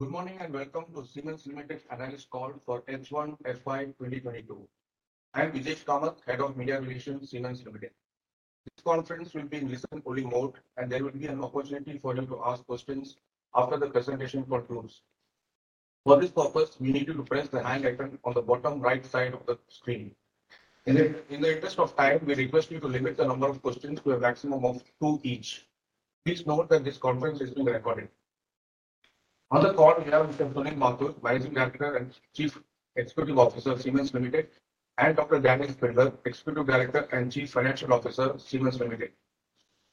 Good morning and welcome to Siemens Limited Analyst call for H1 FY 2022. I am Bijesh Kamath, Head of Media Relations at Siemens Limited. This conference will be in listen-only mode, and there will be an opportunity for you to ask questions after the presentation concludes. For this purpose, we need you to press the hand icon on the bottom right side of the screen. In the interest of time, we request you to limit the number of questions to a maximum of two each. Please note that this conference is being recorded. On the call, we have Mr. Sunil Mathur, Managing Director and Chief Executive Officer of Siemens Limited, and Dr. Daniel Spindler, Executive Director and Chief Financial Officer of Siemens Limited.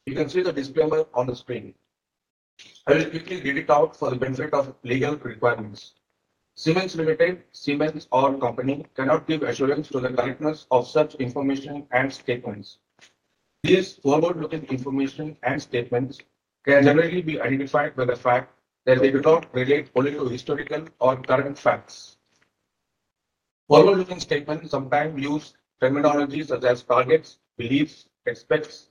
You can see the disclaimer on the screen. I will quickly read it out for the benefit of legal requirements. Siemens Limited, Siemens, or the Company cannot give assurance as to the correctness of such information and statements. These forward-looking information and statements can generally be identified by the fact that they do not relate only to historical or current facts. Forward-looking statements sometimes use terminology such as targets, beliefs, expects,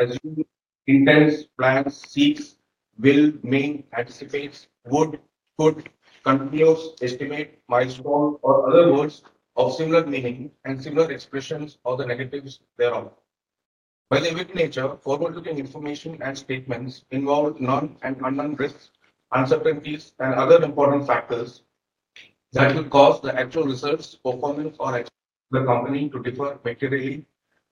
anticipates, intends, plans, seeks, will, may, anticipates, would, could, continues, estimate, milestones, or other words of similar meaning and similar expressions or the negatives thereof. By their very nature, forward-looking information and statements involve known and unknown risks, uncertainties, and other important factors that will cause the actual results, performance, or the Company to differ materially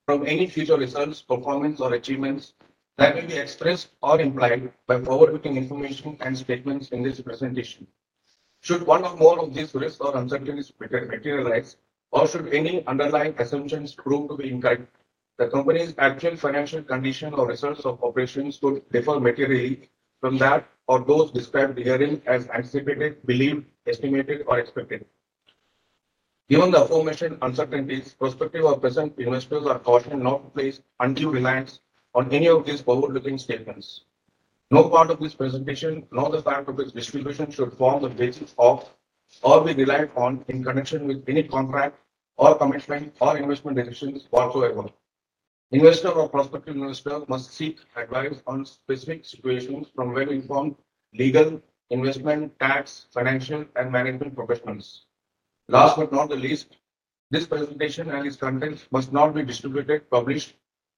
from any future results, performance, or achievements that may be expressed or implied by forward-looking information and statements in this presentation. Should one or more of these risks or uncertainties materialize, or should any underlying assumptions prove to be incorrect, the company's actual financial condition or results of operations could differ materially from that or those described herein as anticipated, believed, estimated, or expected. Given the aforementioned uncertainties, prospective or present investors are cautioned not to place undue reliance on any of these forward-looking statements. No part of this presentation nor the fact of its distribution should form the basis of or be relied upon in connection with any contract or commitment or investment decisions whatsoever. Investors or prospective investors must seek advice on specific situations from well-informed legal, investment, tax, financial, and management professionals. Last but not the least, this presentation and its contents must not be distributed, published,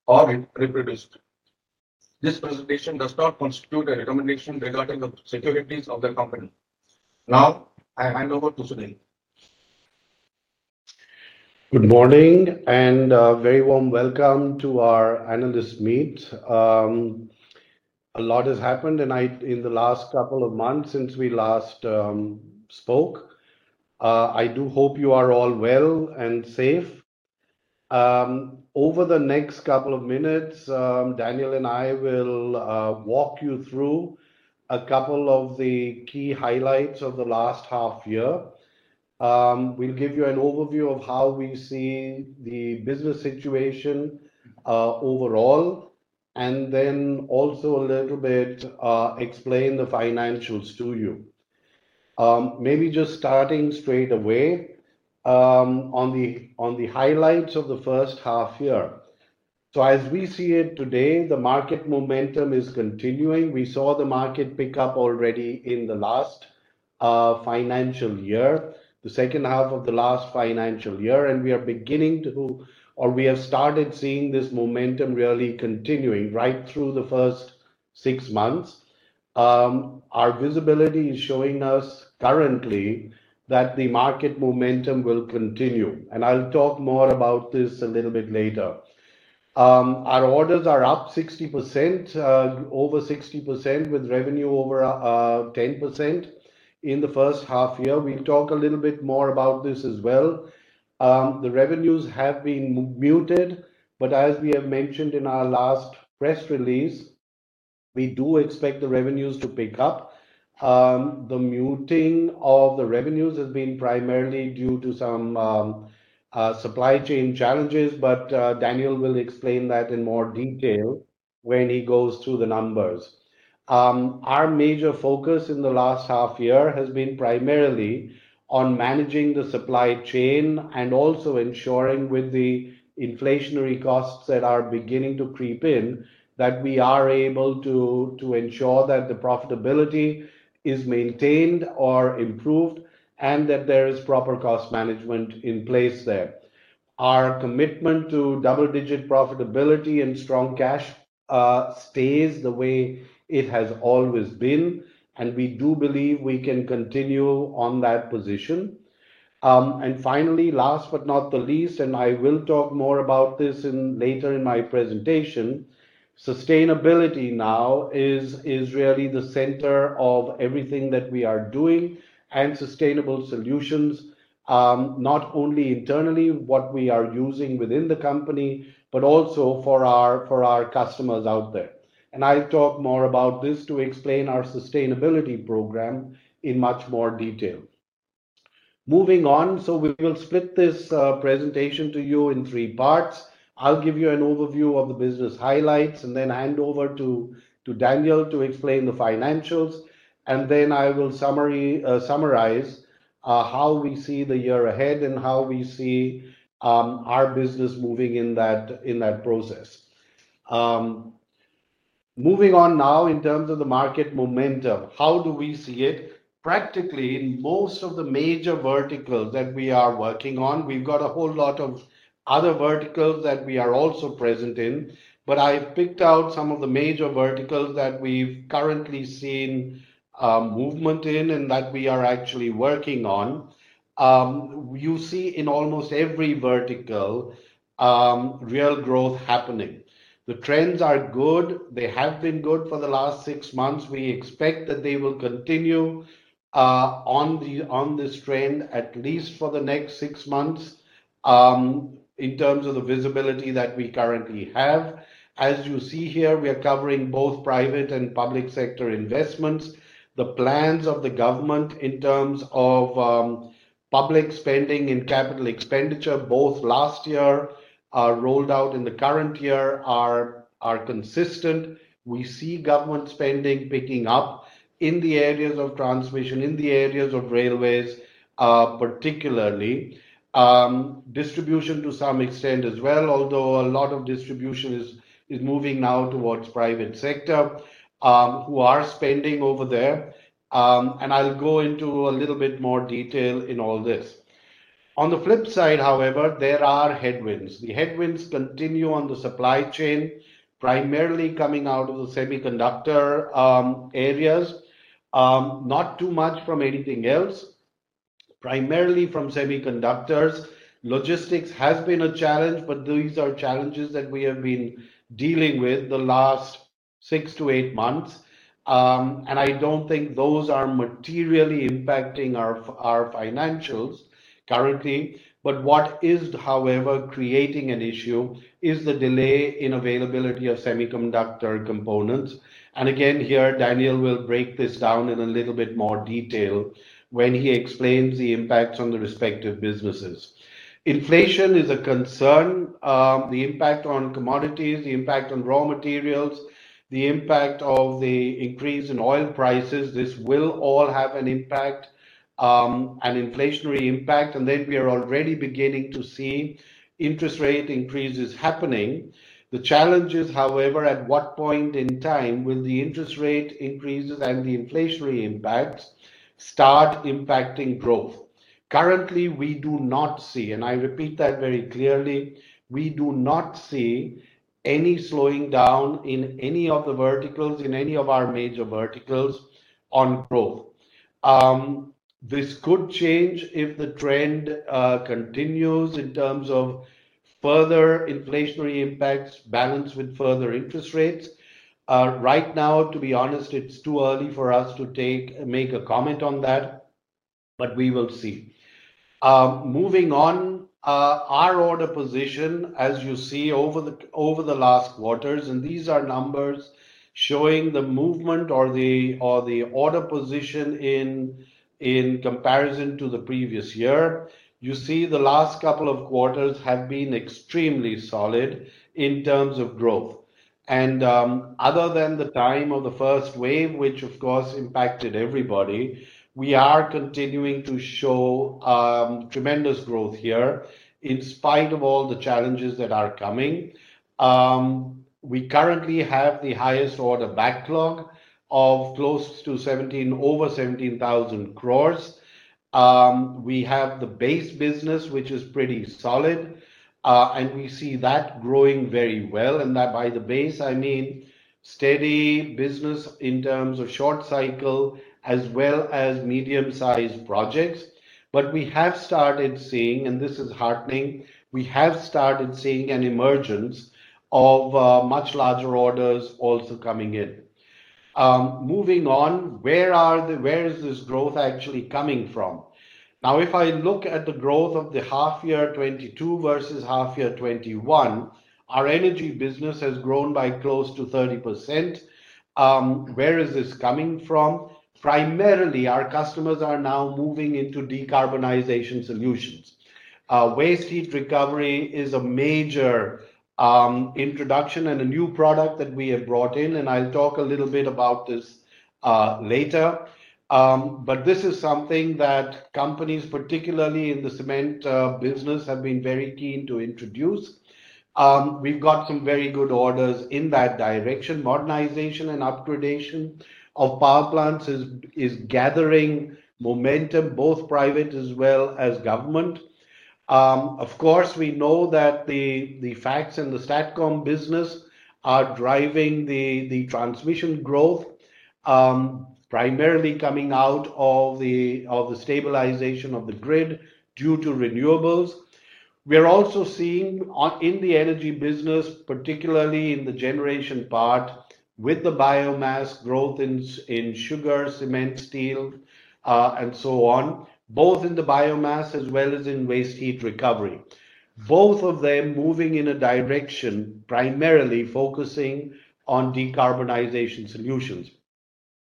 or reproduced. This presentation does not constitute a recommendation regarding the securities of the company. Now, I hand over to Sunil. Good morning and a very warm welcome to our analyst meet. A lot has happened in the last couple of months since we last spoke. I do hope you are all well and safe. Over the next couple of minutes, Daniel and I will walk you through a couple of the key highlights of the last half year. We'll give you an overview of how we see the business situation overall, and then also a little bit explain the financials to you. Maybe just starting straight away on the highlights of the first half year. So, as we see it today, the market momentum is continuing. We saw the market pick up already in the last financial year, the second half of the last financial year, and we are beginning to, or we have started seeing this momentum really continuing right through the first six months. Our visibility is showing us currently that the market momentum will continue, and I'll talk more about this a little bit later. Our orders are up 60%, over 60%, with revenue over 10% in the first half year. We'll talk a little bit more about this as well. The revenues have been muted, but as we have mentioned in our last press release, we do expect the revenues to pick up. The muting of the revenues has been primarily due to some supply chain challenges, but Daniel will explain that in more detail when he goes through the numbers. Our major focus in the last half year has been primarily on managing the supply chain and also ensuring, with the inflationary costs that are beginning to creep in, that we are able to ensure that the profitability is maintained or improved and that there is proper cost management in place there. Our commitment to double-digit profitability and strong cash stays the way it has always been, and we do believe we can continue on that position. Finally, last but not the least, I will talk more about this later in my presentation. Sustainability now is really the center of everything that we are doing, and sustainable solutions, not only internally what we are using within the company but also for our customers out there. I'll talk more about this to explain our sustainability program in much more detail. Moving on, so we will split this presentation to you in three parts. I'll give you an overview of the business highlights and then hand over to Daniel to explain the financials, and then I will summarize how we see the year ahead and how we see our business moving in that process. Moving on now, in terms of the market momentum, how do we see it? Practically, in most of the major verticals that we are working on, we've got a whole lot of other verticals that we are also present in, but I've picked out some of the major verticals that we've currently seen movement in and that we are actually working on. You see in almost every vertical real growth happening. The trends are good. They have been good for the last six months. We expect that they will continue on this trend at least for the next six months in terms of the visibility that we currently have. As you see here, we are covering both private and public sector investments. The plans of the government in terms of public spending and capital expenditure, both last year rolled out and the current year are consistent. We see government spending picking up in the areas of transmission, in the areas of railways particularly, distribution to some extent as well, although a lot of distribution is moving now towards private sector who are spending over there, and I'll go into a little bit more detail in all this. On the flip side, however, there are headwinds. The headwinds continue on the supply chain, primarily coming out of the semiconductor areas, not too much from anything else, primarily from semiconductors. Logistics has been a challenge, but these are challenges that we have been dealing with the last six to eight months, and I don't think those are materially impacting our financials currently. But what is, however, creating an issue is the delay in availability of semiconductor components. And again, here, Daniel will break this down in a little bit more detail when he explains the impacts on the respective businesses. Inflation is a concern. The impact on commodities, the impact on raw materials, the impact of the increase in oil prices, this will all have an impact, an inflationary impact, and then we are already beginning to see interest rate increases happening. The challenge is, however, at what point in time will the interest rate increases and the inflationary impacts start impacting growth? Currently, we do not see, and I repeat that very clearly, we do not see any slowing down in any of the verticals, in any of our major verticals on growth. This could change if the trend continues in terms of further inflationary impacts balanced with further interest rates. Right now, to be honest, it's too early for us to make a comment on that, but we will see. Moving on, our order position, as you see over the last quarters, and these are numbers showing the movement or the order position in comparison to the previous year, you see the last couple of quarters have been extremely solid in terms of growth, and other than the time of the first wave, which of course impacted everybody, we are continuing to show tremendous growth here in spite of all the challenges that are coming. We currently have the highest order backlog of close to over 17,000 crores. We have the base business, which is pretty solid, and we see that growing very well. And by the base, I mean steady business in terms of short cycle as well as medium-sized projects. But we have started seeing, and this is heartening, we have started seeing an emergence of much larger orders also coming in. Moving on, where is this growth actually coming from? Now, if I look at the growth of the half year 2022 versus half year 2021, our energy business has grown by close to 30%. Where is this coming from? Primarily, our customers are now moving into decarbonization solutions. Waste heat recovery is a major introduction and a new product that we have brought in, and I'll talk a little bit about this later. But this is something that companies, particularly in the cement business, have been very keen to introduce. We've got some very good orders in that direction. Modernization and upgradation of power plants is gathering momentum, both private as well as government. Of course, we know that the FACTS and the STATCOM business are driving the transmission growth, primarily coming out of the stabilization of the grid due to renewables. We are also seeing in the energy business, particularly in the generation part, with the biomass growth in sugar, cement, steel, and so on, both in the biomass as well as in waste heat recovery. Both of them moving in a direction primarily focusing on decarbonization solutions.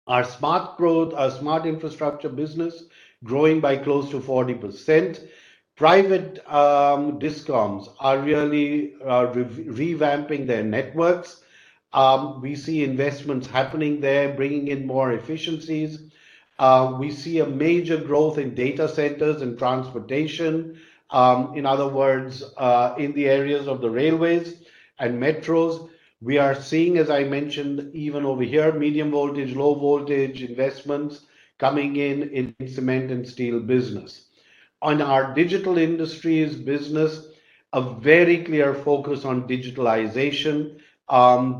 Our Smart Infrastructure business, growing by close to 40%. Private Discoms are really revamping their networks. We see investments happening there, bringing in more efficiencies. We see a major growth in data centers and transportation. In other words, in the areas of the railways and metros, we are seeing, as I mentioned, even over here, medium voltage, low voltage investments coming in in cement and steel business. On our Digital Industries business, a very clear focus on digitalization.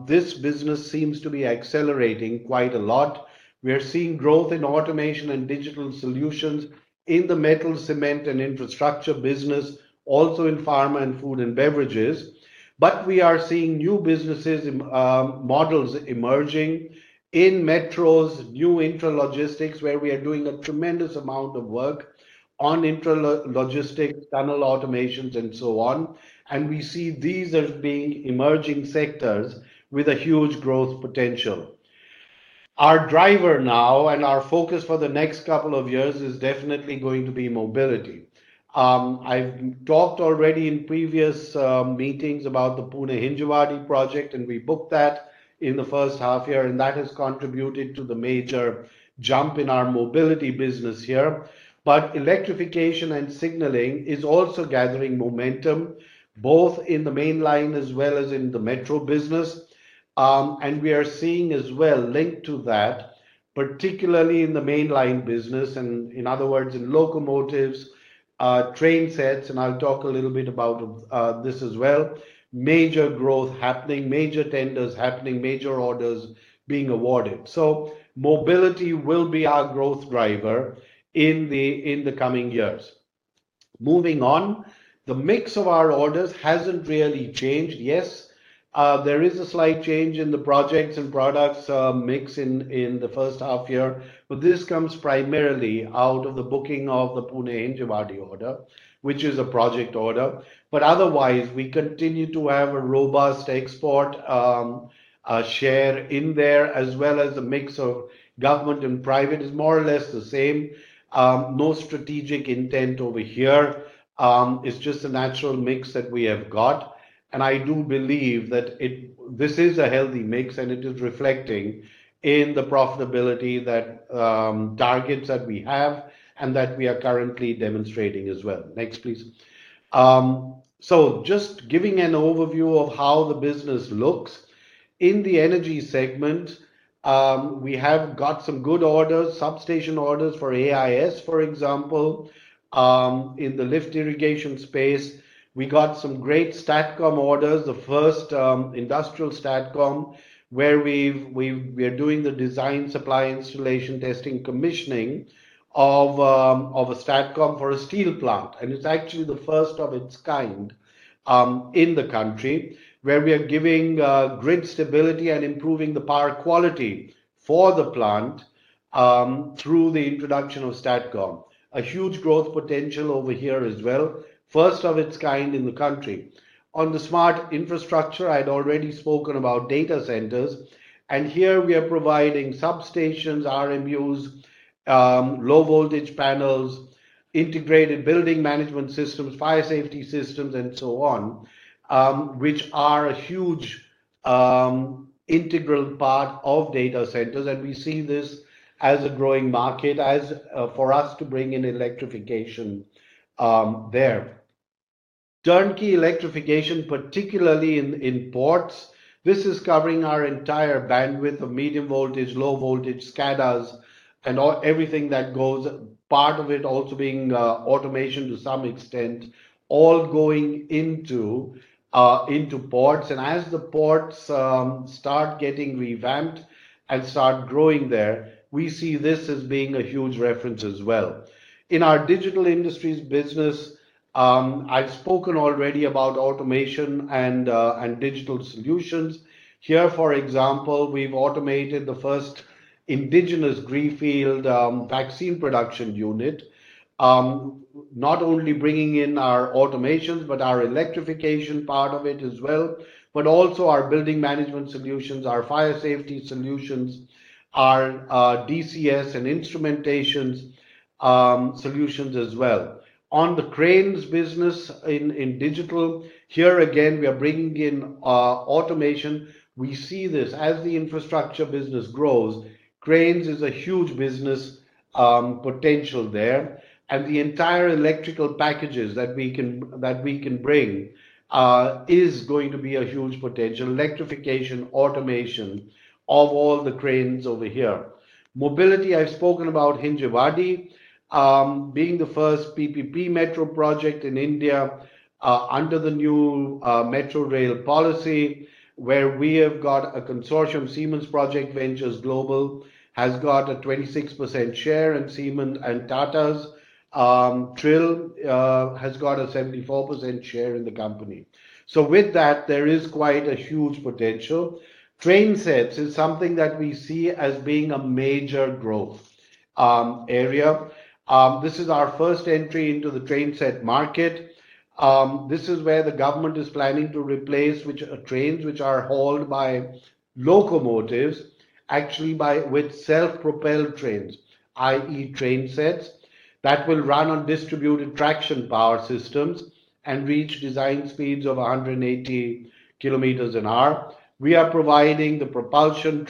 This business seems to be accelerating quite a lot. We are seeing growth in automation and digital solutions in the metal, cement, and infrastructure business, also in pharma and food and beverages. But we are seeing new business models, emerging in metros, new intralogistics, where we are doing a tremendous amount of work on intralogistics, tunnel automations, and so on. And we see these as being emerging sectors with a huge growth potential. Our driver now and our focus for the next couple of years is definitely going to be mobility. I've talked already in previous meetings about the Pune-Hinjawadi project, and we booked that in the first half year, and that has contributed to the major jump in our mobility business here. But electrification and signaling is also gathering momentum, both in the mainline as well as in the metro business. And we are seeing as well linked to that, particularly in the mainline business, and in other words, in locomotives, trainsets, and I'll talk a little bit about this as well. Major growth happening, major tenders happening, major orders being awarded. So mobility will be our growth driver in the coming years. Moving on, the mix of our orders hasn't really changed. Yes, there is a slight change in the projects and products mix in the first half year, but this comes primarily out of the booking of the Pune-Hinjawadi order, which is a project order. But otherwise, we continue to have a robust export share in there, as well as a mix of government and private is more or less the same. No strategic intent over here. It's just a natural mix that we have got. And I do believe that this is a healthy mix, and it is reflecting in the profitability targets that we have and that we are currently demonstrating as well. Next, please. So just giving an overview of how the business looks. In the energy segment, we have got some good orders, substation orders for AIS, for example, in the lift irrigation space. We got some great STATCOM orders, the first industrial STATCOM, where we are doing the design, supply, installation, testing, commissioning of a STATCOM for a steel plant. It's actually the first of its kind in the country, where we are giving grid stability and improving the power quality for the plant through the introduction of STATCOM. A huge growth potential over here as well, first of its kind in the country. On the Smart Infrastructure, I'd already spoken about data centers. Here we are providing substations, RMUs, low-voltage panels, integrated building management systems, fire safety systems, and so on, which are a huge integral part of data centers. We see this as a growing market for us to bring in electrification there. Turnkey electrification, particularly in ports. This is covering our entire bandwidth of medium voltage, low voltage, SCADAs, and everything that goes, part of it also being automation to some extent, all going into ports. And as the ports start getting revamped and start growing there, we see this as being a huge reference as well. In our Digital Industries business, I've spoken already about automation and digital solutions. Here, for example, we've automated the first indigenous greenfield vaccine production unit, not only bringing in our automations, but our electrification part of it as well, but also our building management solutions, our fire safety solutions, our DCS and instrumentation solutions as well. On the cranes business in digital, here again, we are bringing in automation. We see this as the infrastructure business grows. Cranes is a huge business potential there. And the entire electrical packages that we can bring is going to be a huge potential, electrification, automation of all the cranes over here. Mobility, I've spoken about Hinjewadi being the first PPP metro project in India under the new metro rail policy, where we have got a consortium, Siemens Project Ventures has got a 26% share, and Siemens and Tata's TRIL has got a 74% share in the company. So with that, there is quite a huge potential. Trainsets is something that we see as being a major growth area. This is our first entry into the trainset market. This is where the government is planning to replace trains which are hauled by locomotives, actually with self-propelled trains, i.e., trainsets that will run on distributed traction power systems and reach design speeds of 180 km an hour. We are providing the propulsion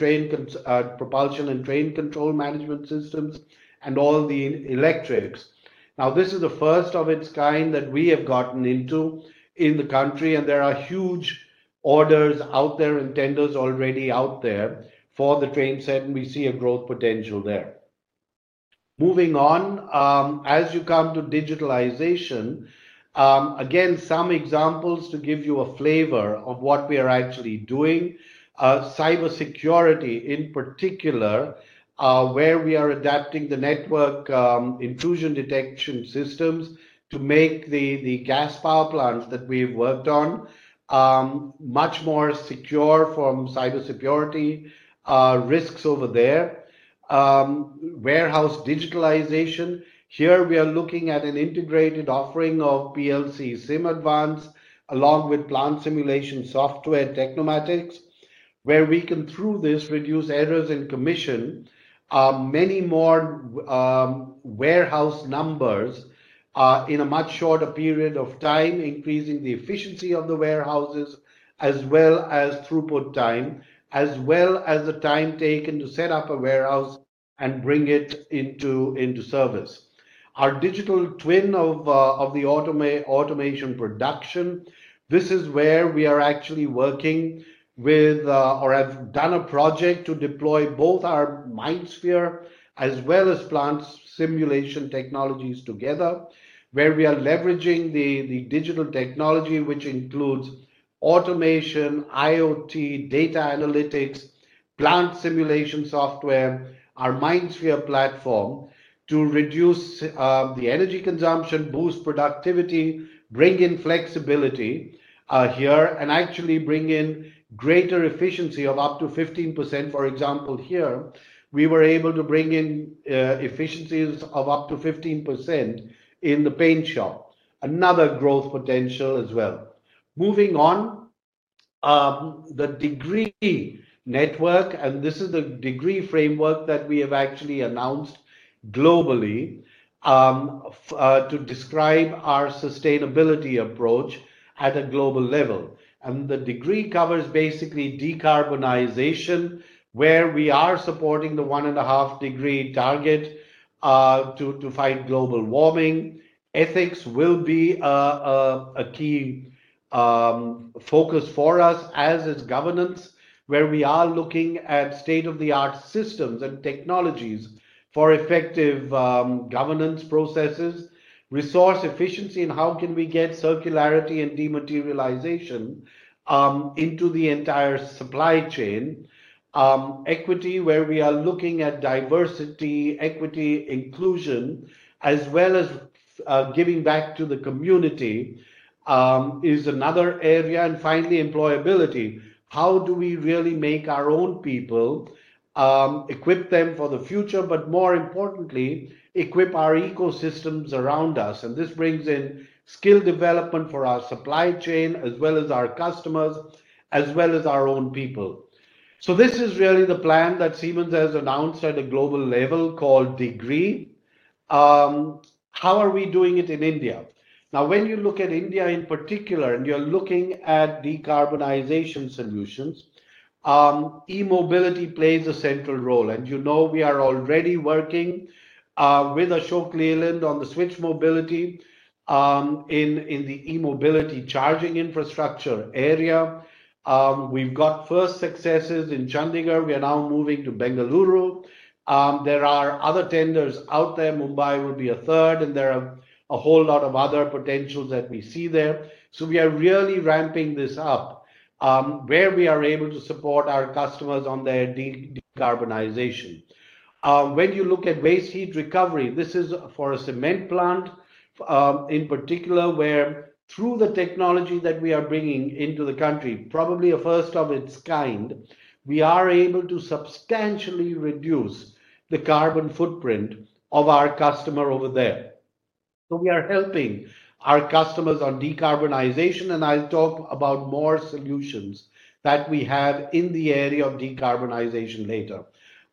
and train control management systems and all the electrics. Now, this is the first of its kind that we have gotten into in the country, and there are huge orders out there and tenders already out there for the trainset, and we see a growth potential there. Moving on, as you come to digitalization, again, some examples to give you a flavor of what we are actually doing. Cybersecurity, in particular, where we are adapting the network intrusion detection systems to make the gas power plants that we've worked on much more secure from cybersecurity risks over there. Warehouse digitalization. Here we are looking at an integrated offering of PLCSIM Advanced along with Plant Simulation software Tecnomatix, where we can, through this, reduce errors and commission many more warehouse numbers in a much shorter period of time, increasing the efficiency of the warehouses as well as throughput time, as well as the time taken to set up a warehouse and bring it into service. Our digital twin of the automation production, this is where we are actually working with or have done a project to deploy both our MindSphere as well as Plant Simulation technologies together, where we are leveraging the digital technology, which includes automation, IoT, data analytics, Plant Simulation software, our MindSphere platform to reduce the energy consumption, boost productivity, bring in flexibility here, and actually bring in greater efficiency of up to 15%. For example, here, we were able to bring in efficiencies of up to 15% in the paint shop, another growth potential as well. Moving on, the DEGREE network, and this is the DEGREE framework that we have actually announced globally to describe our sustainability approach at a global level. The DEGREE covers basically decarbonization, where we are supporting the one and a half degree target to fight global warming. Ethics will be a key focus for us, as is governance, where we are looking at state-of-the-art systems and technologies for effective governance processes, resource efficiency, and how can we get circularity and dematerialization into the entire supply chain. Equity, where we are looking at diversity, equity, inclusion, as well as giving back to the community, is another area. Finally, employability. How do we really make our own people, equip them for the future, but more importantly, equip our ecosystems around us? And this brings in skill development for our supply chain, as well as our customers, as well as our own people. So this is really the plan that Siemens has announced at a global level called DEGREE. How are we doing it in India? Now, when you look at India in particular and you're looking at decarbonization solutions, e-mobility plays a central role. And you know we are already working with Ashok Leyland on the Switch Mobility in the e-mobility charging infrastructure area. We've got first successes in Chandigarh. We are now moving to Bengaluru. There are other tenders out there. Mumbai will be a third, and there are a whole lot of other potentials that we see there. So we are really ramping this up where we are able to support our customers on their decarbonization. When you look at waste heat recovery, this is for a cement plant in particular, where through the technology that we are bringing into the country, probably a first of its kind, we are able to substantially reduce the carbon footprint of our customer over there. So we are helping our customers on decarbonization, and I'll talk about more solutions that we have in the area of decarbonization later.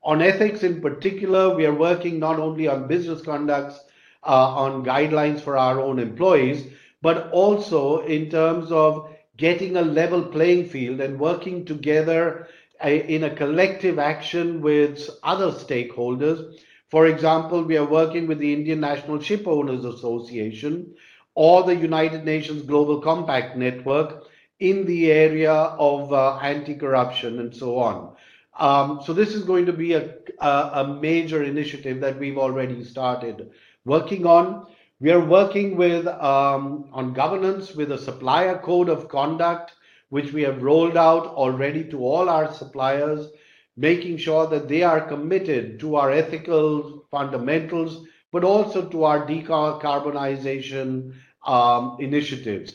On ethics in particular, we are working not only on business conducts, on guidelines for our own employees, but also in terms of getting a level playing field and working together in a collective action with other stakeholders. For example, we are working with the Indian National Shipowners' Association or the United Nations Global Compact Network in the area of anti-corruption and so on. So this is going to be a major initiative that we've already started working on. We are working on governance with a supplier code of conduct, which we have rolled out already to all our suppliers, making sure that they are committed to our ethical fundamentals, but also to our decarbonization initiatives.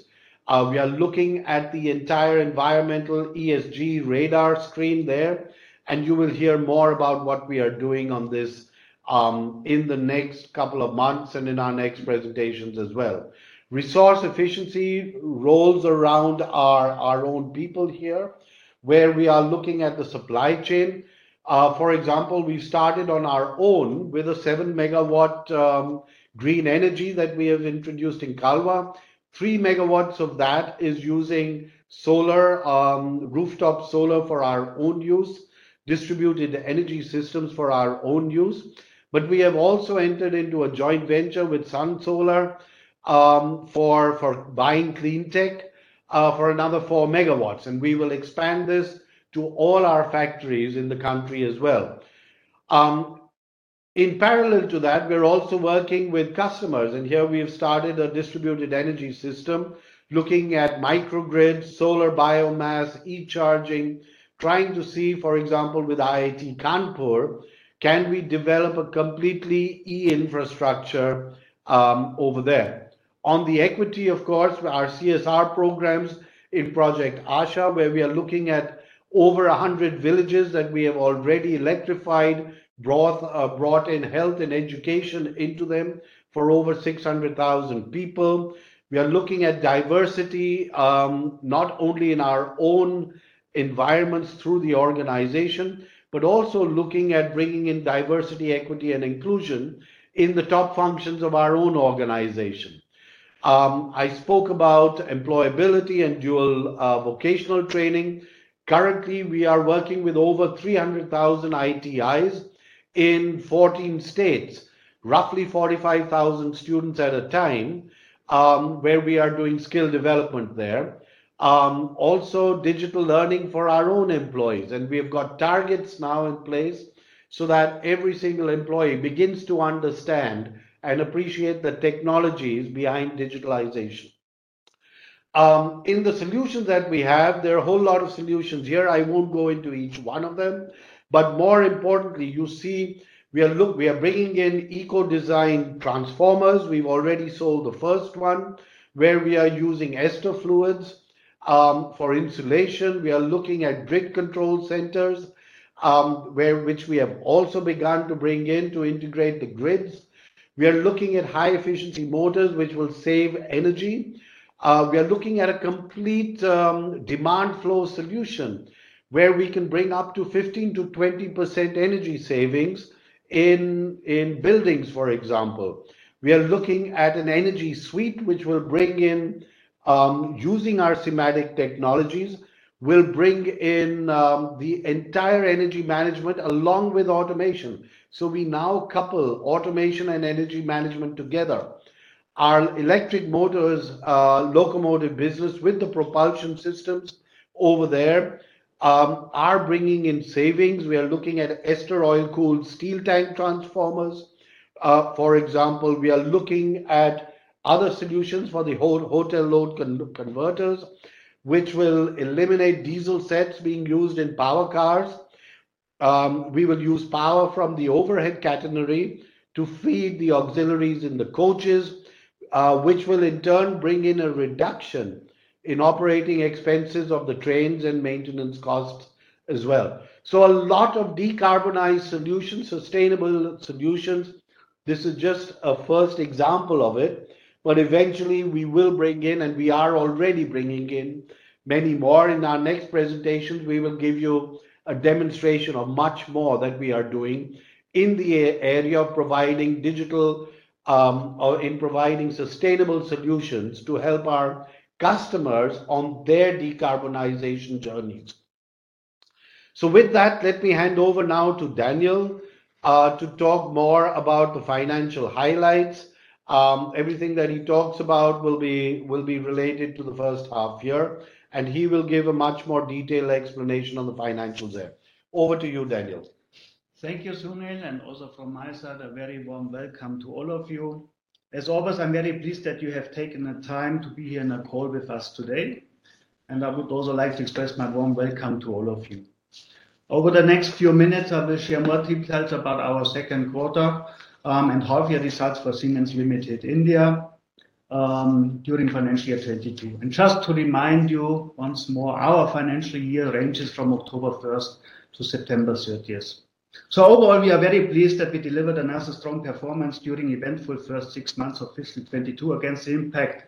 We are looking at the entire environmental ESG radar screen there, and you will hear more about what we are doing on this in the next couple of months and in our next presentations as well. Resource efficiency rolls around our own people here, where we are looking at the supply chain. For example, we started on our own with a 7 MW green energy that we have introduced in Kalwa. 3 MW of that is using rooftop solar for our own use, distributed energy systems for our own use. But we have also entered into a joint venture with Sunsole for buying clean tech for another 4 MW, and we will expand this to all our factories in the country as well. In parallel to that, we're also working with customers, and here we have started a distributed energy system looking at microgrid, solar biomass, e-charging, trying to see, for example, with IIT Kanpur, can we develop a completely e-infrastructure over there. On the equity, of course, our CSR programs in Project Asha, where we are looking at over 100 villages that we have already electrified, brought in health and education into them for over 600,000 people. We are looking at diversity, not only in our own environments through the organization, but also looking at bringing in diversity, equity, and inclusion in the top functions of our own organization. I spoke about employability and dual vocational training. Currently, we are working with over 300,000 ITIs in 14 states, roughly 45,000 students at a time, where we are doing skill development there. Also, digital learning for our own employees, and we have got targets now in place so that every single employee begins to understand and appreciate the technologies behind digitalization. In the solutions that we have, there are a whole lot of solutions here. I won't go into each one of them. But more importantly, you see we are bringing in eco-design transformers. We've already sold the first one, where we are using ester fluids for insulation. We are looking at grid control centers, which we have also begun to bring in to integrate the grids. We are looking at high-efficiency motors, which will save energy. We are looking at a complete Demand Flow solution, where we can bring up to 15%-20% energy savings in buildings, for example. We are looking at an Energy Suite, which will bring in, using our SIMATIC technologies, the entire energy management along with automation. So we now couple automation and energy management together. Our electric motors, locomotive business with the propulsion systems over there are bringing in savings. We are looking at ester oil-cooled steel tank transformers. For example, we are looking at other solutions for the hotel load converters, which will eliminate diesel sets being used in power cars. We will use power from the overhead catenary to feed the auxiliaries in the coaches, which will in turn bring in a reduction in operating expenses of the trains and maintenance costs as well. So a lot of decarbonized solutions, sustainable solutions. This is just a first example of it, but eventually we will bring in, and we are already bringing in many more. In our next presentations, we will give you a demonstration of much more that we are doing in the area of providing digital or in providing sustainable solutions to help our customers on their decarbonization journeys. So with that, let me hand over now to Daniel to talk more about the financial highlights. Everything that he talks about will be related to the first half year, and he will give a much more detailed explanation on the financials there. Over to you, Daniel. Thank you, Sunil. And also from my side, a very warm welcome to all of you. As always, I'm very pleased that you have taken the time to be here in a call with us today, and I would also like to express my warm welcome to all of you. Over the next few minutes, I will share more details about our second quarter and half-year results for Siemens Limited during financial year 2022. And just to remind you once more, our financial year ranges from October 1st to September 30th. So overall, we are very pleased that we delivered a strong performance during eventful first six months of fiscal 2022 against the impact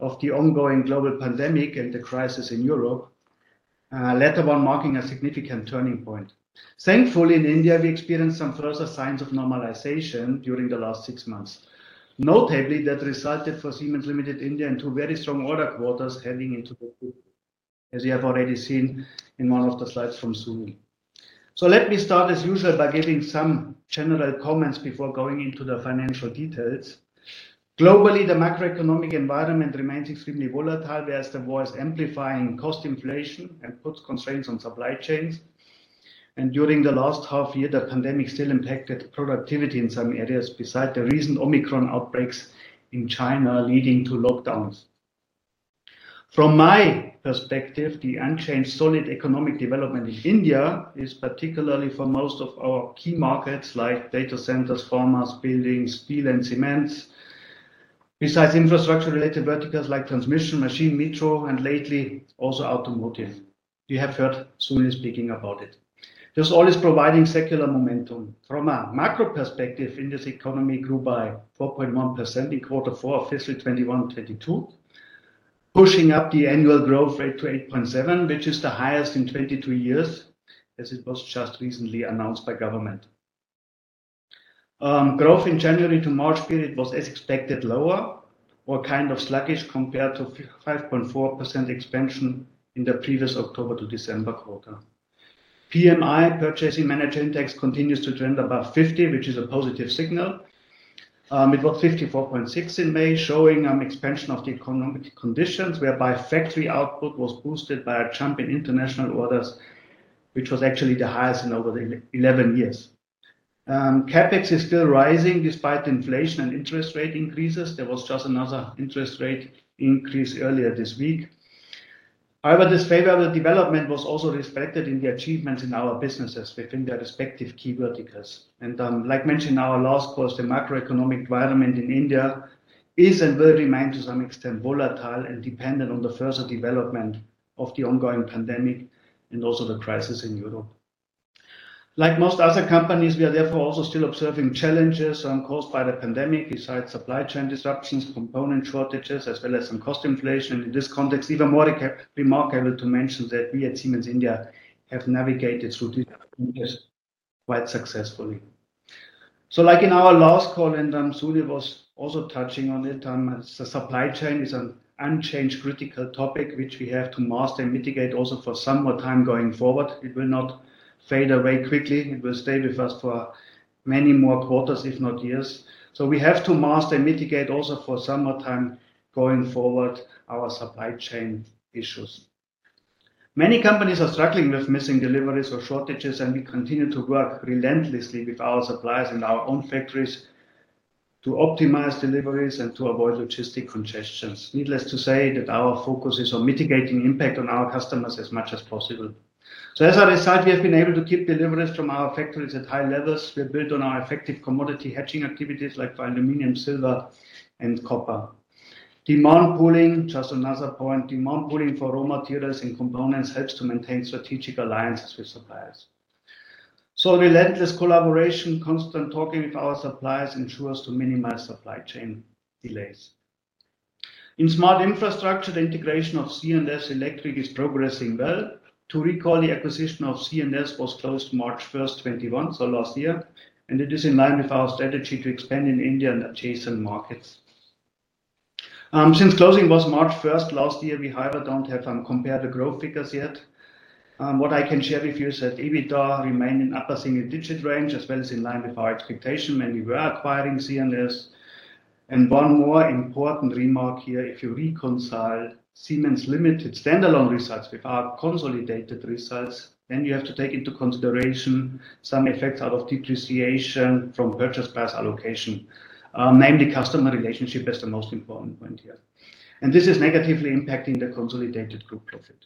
of the ongoing global pandemic and the crisis in Europe, later on marking a significant turning point. Thankfully, in India, we experienced some further signs of normalization during the last six months, notably, that resulted for Siemens Limited in India in two very strong order quarters heading into the fiscal year, as you have already seen in one of the slides from Sunil. So let me start, as usual, by giving some general comments before going into the financial details. Globally, the macroeconomic environment remains extremely volatile, whereas the war is amplifying cost inflation and puts constraints on supply chains. And during the last half year, the pandemic still impacted productivity in some areas besides the recent Omicron outbreaks in China leading to lockdowns. From my perspective, the unchanged solid economic development in India is particularly for most of our key markets like data centers, pharma, buildings, steel, and cement, besides infrastructure-related verticals like transmission, machinery, metro, and lately also automotive. You have heard Sunil speaking about it. This all is providing secular momentum. From a macro perspective, India's economy grew by 4.1% in quarter four of fiscal 2021-2022, pushing up the annual growth rate to 8.7%, which is the highest in 22 years, as it was just recently announced by government. Growth in January to March period was, as expected, lower or kind of sluggish compared to 5.4% expansion in the previous October to December quarter. PMI, Purchasing Manager Index continues to trend above 50, which is a positive signal. It was 54.6% in May, showing an expansion of the economic conditions, whereby factory output was boosted by a jump in international orders, which was actually the highest in over 11 years. CapEx is still rising despite inflation and interest rate increases. There was just another interest rate increase earlier this week. However, this favorable development was also reflected in the achievements in our businesses within their respective key verticals, and like mentioned in our last call, the macroeconomic environment in India is and will remain to some extent volatile and dependent on the further development of the ongoing pandemic and also the crisis in Europe. Like most other companies, we are therefore also still observing challenges caused by the pandemic, besides supply chain disruptions, component shortages, as well as some cost inflation. In this context, even more remarkable to mention that we at Siemens India have navigated through these changes quite successfully. So like in our last call, and Sunil was also touching on it, the supply chain is an unchanged critical topic which we have to master and mitigate also for some more time going forward. It will not fade away quickly. It will stay with us for many more quarters, if not years. So we have to master and mitigate also for some more time going forward our supply chain issues. Many companies are struggling with missing deliveries or shortages, and we continue to work relentlessly with our suppliers and our own factories to optimize deliveries and to avoid logistical congestions. Needless to say that our focus is on mitigating impact on our customers as much as possible. So as a result, we have been able to keep deliveries from our factories at high levels. We have built on our effective commodity hedging activities like for aluminum, silver, and copper. Demand pooling, just another point, demand pooling for raw materials and components helps to maintain strategic alliances with suppliers. So relentless collaboration, constant talking with our suppliers ensures to minimize supply chain delays. In Smart Infrastructure, the integration of C&S Electric is progressing well. To recall, the acquisition of C&S was closed March 1st, 2021, so last year, and it is in line with our strategy to expand in India and adjacent markets. Since closing was March 1st last year, we however don't have compared the growth figures yet. What I can share with you is that EBITDA remained in upper single-digit range, as well as in line with our expectation. Margin when acquiring C&S. One more important remark here, if you reconcile Siemens Limited's standalone results with our consolidated results, then you have to take into consideration some effects out of depreciation from purchase price allocation. Mainly, customer relationship is the most important point here. This is negatively impacting the consolidated group profit.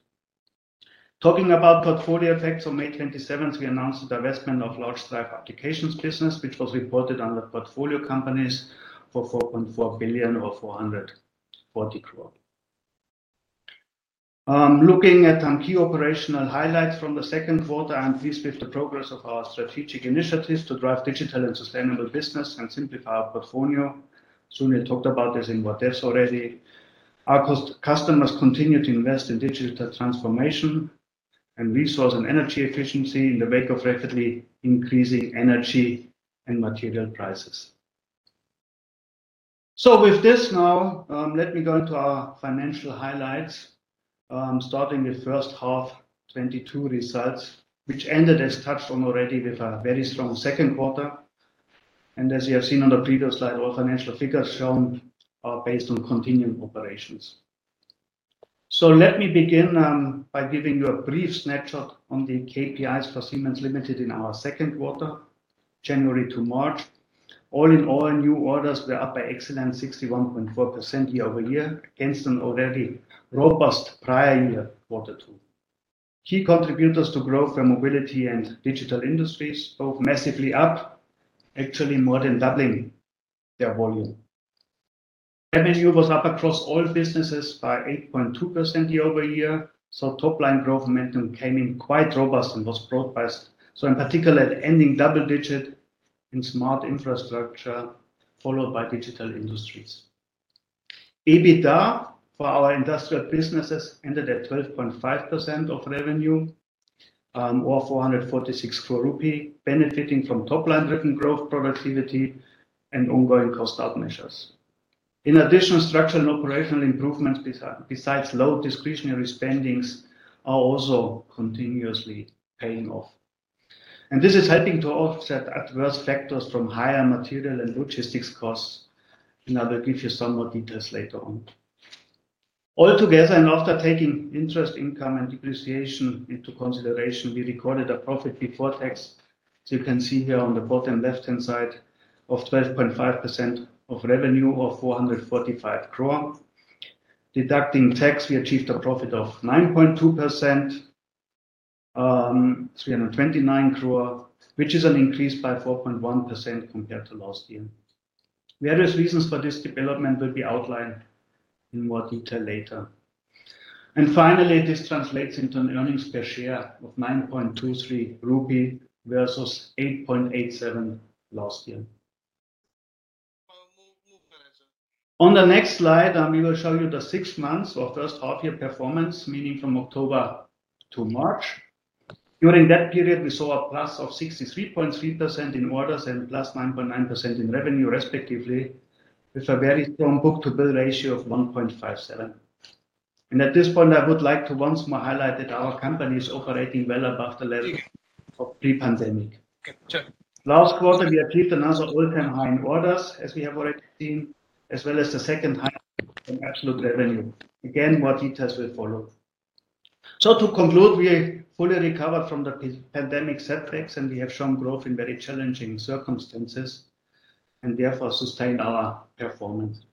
Talking about portfolio effects, on May 27th, we announced the divestment of Large Drive Applications business, which was reported under portfolio companies for 4.4 billion or 440 crore. Looking at key operational highlights from the second quarter, I'm pleased with the progress of our strategic initiatives to drive digital and sustainable business and simplify our portfolio. Sunil talked about this in what depth already. Our customers continue to invest in digital transformation and resource and energy efficiency in the wake of rapidly increasing energy and material prices, so with this now, let me go into our financial highlights, starting with first half 2022 results, which ended, as touched on already, with a very strong second quarter, and as you have seen on the previous slide, all financial figures shown are based on continuing operations. So let me begin by giving you a brief snapshot on the KPIs for Siemens Limited in our second quarter, January to March. All in all, new orders were up by excellent 61.4% year-over-year, against an already robust prior year quarter two. Key contributors to growth were Mobility and Digital Industries, both massively up, actually more than doubling their volume. Revenue was up across all businesses by 8.2% year-over-year. So top-line growth momentum came in quite robust and was brought by, so in particular, ending double-digit in Smart Infrastructure, followed by Digital Industries. EBITDA for our industrial businesses ended at 12.5% of revenue, or 446 crore rupee, benefiting from top-line driven growth, productivity, and ongoing cost out measures. In addition, structural and operational improvements, besides low discretionary spendings, are also continuously paying off. This is helping to offset adverse factors from higher material and logistics costs. I will give you some more details later on. Altogether, and after taking interest income and depreciation into consideration, we recorded a profit before tax. You can see here on the bottom left-hand side of 12.5% of revenue or 445 crore. Deducting tax, we achieved a profit of 9.2%, 329 crore, which is an increase by 4.1% compared to last year. Various reasons for this development will be outlined in more detail later. Finally, this translates into an earnings per share of 9.23 rupee versus 8.87 last year. On the next slide, we will show you the six months or first half-year performance, meaning from October to March. During that period, we saw a plus of 63.3% in orders and plus 9.9% in revenue, respectively, with a very strong book-to-bill ratio of 1.57. At this point, I would like to once more highlight that our company is operating well above the level of pre-pandemic. Last quarter, we achieved another all-time high in orders, as we have already seen, as well as the second high in absolute revenue. Again, more details will follow. To conclude, we fully recovered from the pandemic setbacks, and we have shown growth in very challenging circumstances and therefore sustained our performance.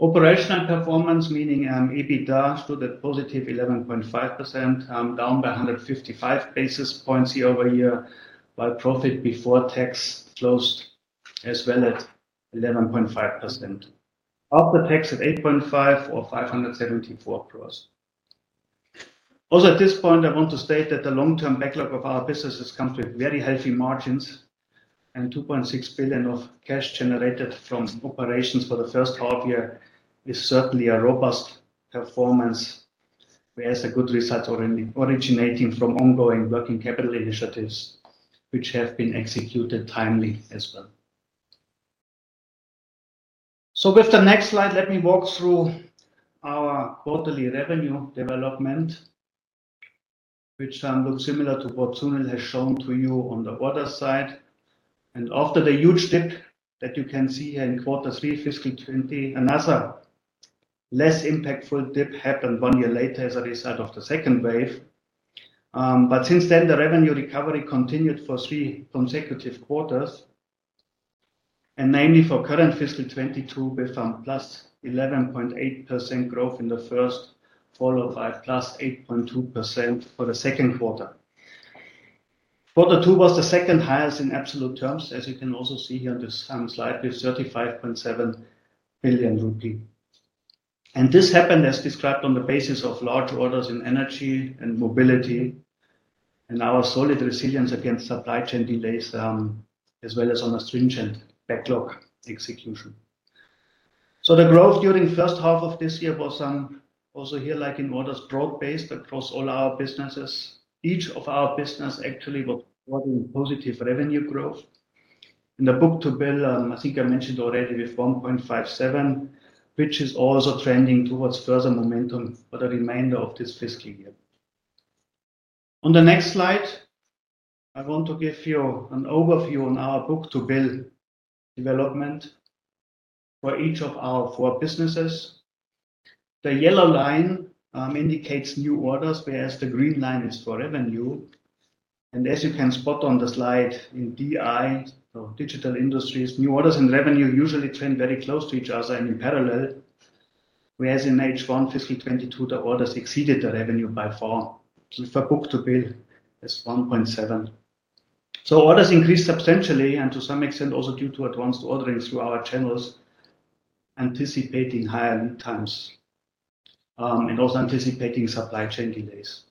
Operational performance, meaning EBITDA, stood at positive 11.5%, down by 155 basis points year-over-year, while profit before tax closed as well at 11.5%, after tax at 8.5% or 574 crores. Also, at this point, I want to state that the long-term backlog of our businesses comes with very healthy margins, and 2.6 billion of cash generated from operations for the first half year is certainly a robust performance, whereas the good results are originating from ongoing working capital initiatives, which have been executed timely as well. So with the next slide, let me walk through our quarterly revenue development, which looks similar to what Sunil has shown to you on the order side. And after the huge dip that you can see here in quarter three fiscal 2020, another less impactful dip happened one year later as a result of the second wave. But since then, the revenue recovery continued for three consecutive quarters, and mainly for current fiscal 2022, with a +11.8% growth in the first followed by +8.2% for the second quarter. Quarter two was the second highest in absolute terms, as you can also see here on this slide, with 35.7 billion rupee, and this happened, as described, on the basis of large orders in energy and Mobility and our solid resilience against supply chain delays, as well as on a stringent backlog execution, so the growth during the first half of this year was also here, like in orders, broad-based across all our businesses. Each of our businesses actually was reporting positive revenue growth. In the book-to-bill, I think I mentioned already, with 1.57, which is also trending towards further momentum for the remainder of this fiscal year. On the next slide, I want to give you an overview on our book-to-bill development for each of our four businesses. The yellow line indicates new orders, whereas the green line is for revenue. As you can spot on the slide in DI, so Digital Industries, new orders and revenue usually trend very close to each other and in parallel, whereas in H1 fiscal 2022, the orders exceeded the revenue by far. For book-to-bill, it is 1.7. Orders increased substantially and to some extent also due to advanced ordering through our channels, anticipating higher lead times and also anticipating supply chain delays.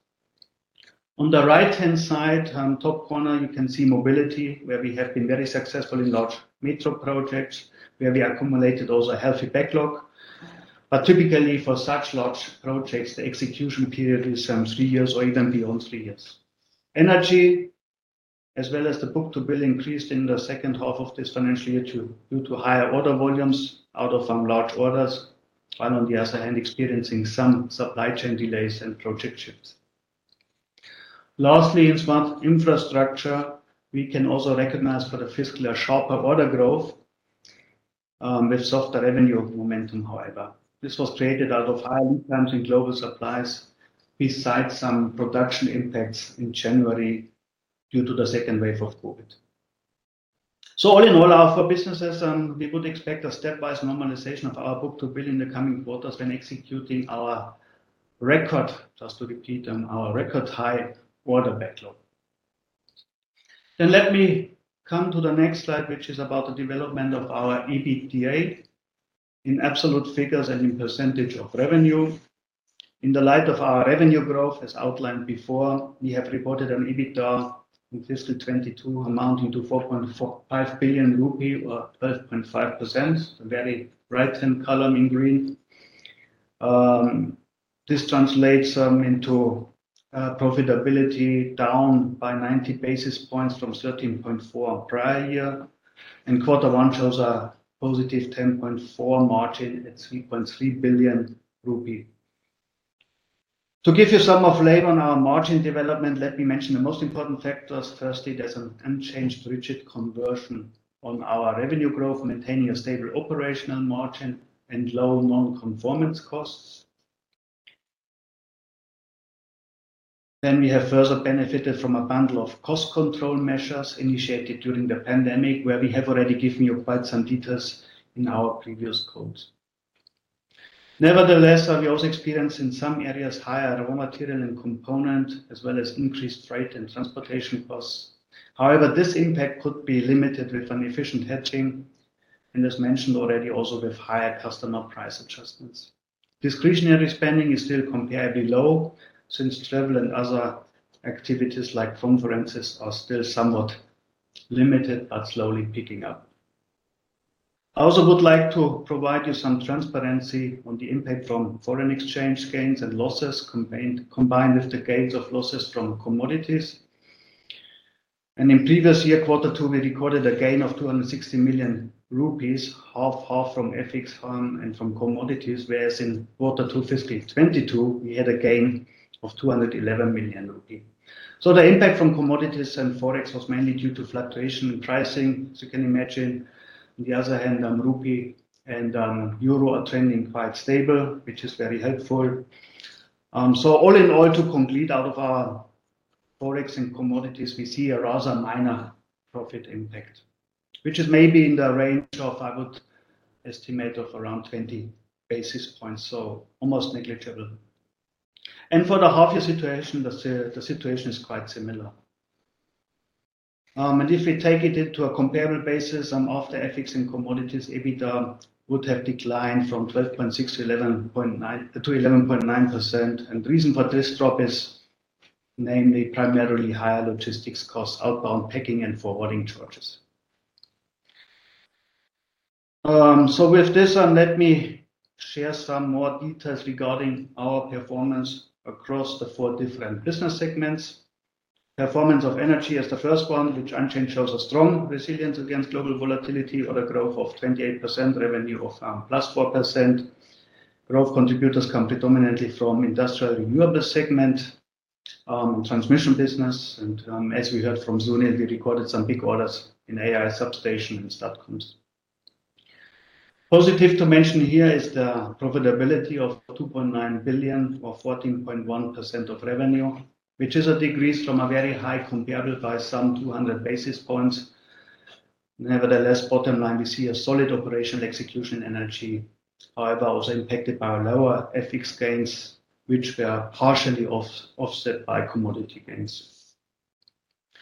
On the right-hand side, top corner, you can see Mobility, where we have been very successful in large metro projects, where we accumulated also a healthy backlog. Typically, for such large projects, the execution period is three years or even beyond three years. Energy, as well as the book-to-bill, increased in the second half of this financial year due to higher order volumes out of large orders, while on the other hand, experiencing some supply chain delays and disruptions. Lastly, in Smart Infrastructure, we can also recognize for the fiscal year sharper order growth with softer revenue momentum, however. This was created out of higher lead times in global supplies, besides some production impacts in January due to the second wave of COVID. So all in all, our four businesses, we would expect a stepwise normalization of our book-to-bill in the coming quarters when executing our record, just to repeat, our record high order backlog. Then let me come to the next slide, which is about the development of our EBITDA in absolute figures and in percentage of revenue. In the light of our revenue growth, as outlined before, we have reported an EBITDA in fiscal 2022 amounting to 4.5 billion rupee or 12.5%, the very right-hand column in green. This translates into profitability down by 90 basis points from 13.4% prior year. And quarter one shows a positive 10.4% margin at 3.3 billion rupee. To give you some flavor on our margin development, let me mention the most important factors. Firstly, there's an unchanged rigid conversion on our revenue growth, maintaining a stable operational margin and low non-conformance costs. Then we have further benefited from a bundle of cost control measures initiated during the pandemic, where we have already given you quite some details in our previous calls. Nevertheless, we also experience in some areas higher raw material and components, as well as increased freight and transportation costs. However, this impact could be limited with an efficient hedging, and as mentioned already, also with higher customer price adjustments. Discretionary spending is still comparably low since travel and other activities like conferences are still somewhat limited but slowly picking up. I also would like to provide you some transparency on the impact from foreign exchange gains and losses combined with the gains or losses from commodities, and in previous year, quarter two, we recorded a gain of 260 million rupees, 50/50 from FX and from commodities, whereas in quarter two fiscal 2022, we had a gain of 211 million rupees. So the impact from commodities and forex was mainly due to fluctuation in pricing. As you can imagine, on the other hand, rupee and euro are trending quite stable, which is very helpful, so all in all, to conclude, out of our forex and commodities, we see a rather minor profit impact, which is maybe in the range of, I would estimate, around 20 basis points, so almost negligible, and for the half-year situation, the situation is quite similar. And if we take it into a comparable basis, after FX and commodities, EBITDA would have declined from 12.6% to 11.9%. And the reason for this drop is mainly primarily higher logistics costs, outbound packing and forwarding charges. So with this, let me share some more details regarding our performance across the four different business segments. Performance of Energy is the first one, which, unchanged, shows a strong resilience against global volatility or a growth of 28%, revenue of +4%. Growth contributors come predominantly from the industrial renewables segment, transmission business. And as we heard from Sunil, we recorded some big orders in AIS substations and STATCOMs. Positive to mention here is the profitability of 2.9 billion or 14.1% of revenue, which is a decrease from a very high comparable by some 200 basis points. Nevertheless, bottom line, we see a solid operational execution. Energy, however, also impacted by lower FX gains, which were partially offset by commodity gains.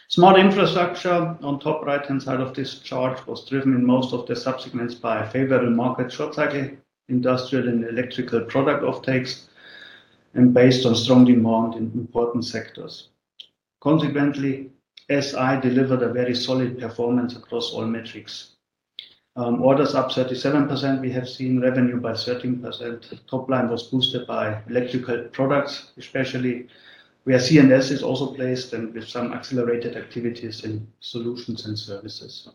Smart Infrastructure on the top right-hand side of this chart was driven in most of the sub-segments by favorable market short-cycle industrial and electrical product offtakes and based on strong demand in important sectors. Consequently, SI delivered a very solid performance across all metrics. Orders up 37%, we have seen revenue by 13%. Top line was boosted by electrical products, especially where C&S is also placed and with some accelerated activities in solutions and services.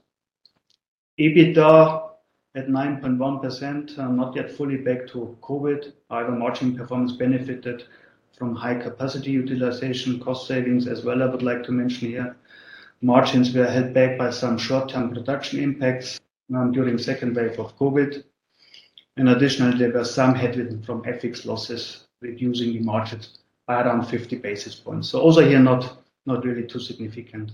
EBITDA at 9.1%, not yet fully back to pre-COVID, however, margin performance benefited from high capacity utilization, cost savings as well. I would like to mention here, margins were held back by some short-term production impacts during the second wave of COVID. Additionally, there were some headwinds from FX losses reducing the margins by around 50 basis points. So also here, not really too significant.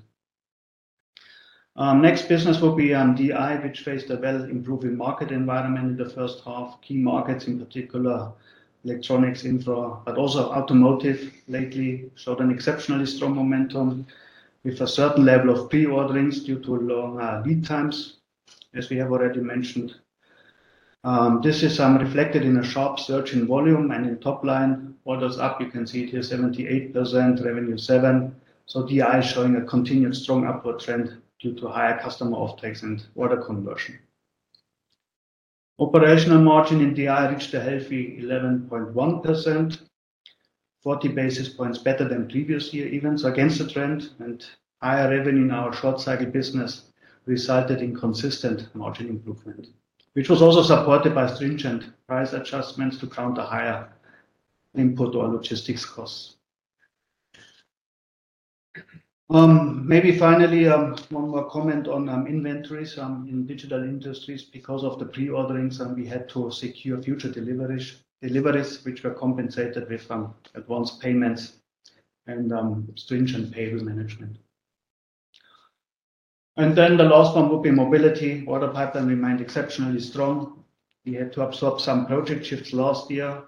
Next business will be DI, which faced a well-improving market environment in the first half. Key markets in particular, electronics, infra, but also automotive lately showed an exceptionally strong momentum with a certain level of pre-orderings due to long lead times, as we have already mentioned. This is reflected in a sharp surge in volume and in top line. Orders up, you can see it here, 78%, revenue 7%. So DI is showing a continued strong upward trend due to higher customer offtakes and order conversion. Operational margin in DI reached a healthy 11.1%, 40 basis points better than previous year even. So against the trend and higher revenue in our short-cycle business resulted in consistent margin improvement, which was also supported by stringent price adjustments to counter higher input or logistics costs. Maybe finally, one more comment on inventories in Digital Industries. Because of the pre-orderings, we had to secure future deliveries, which were compensated with advanced payments and stringent payable management. And then the last one would be Mobility. Order pipeline remained exceptionally strong. We had to absorb some project shifts last year.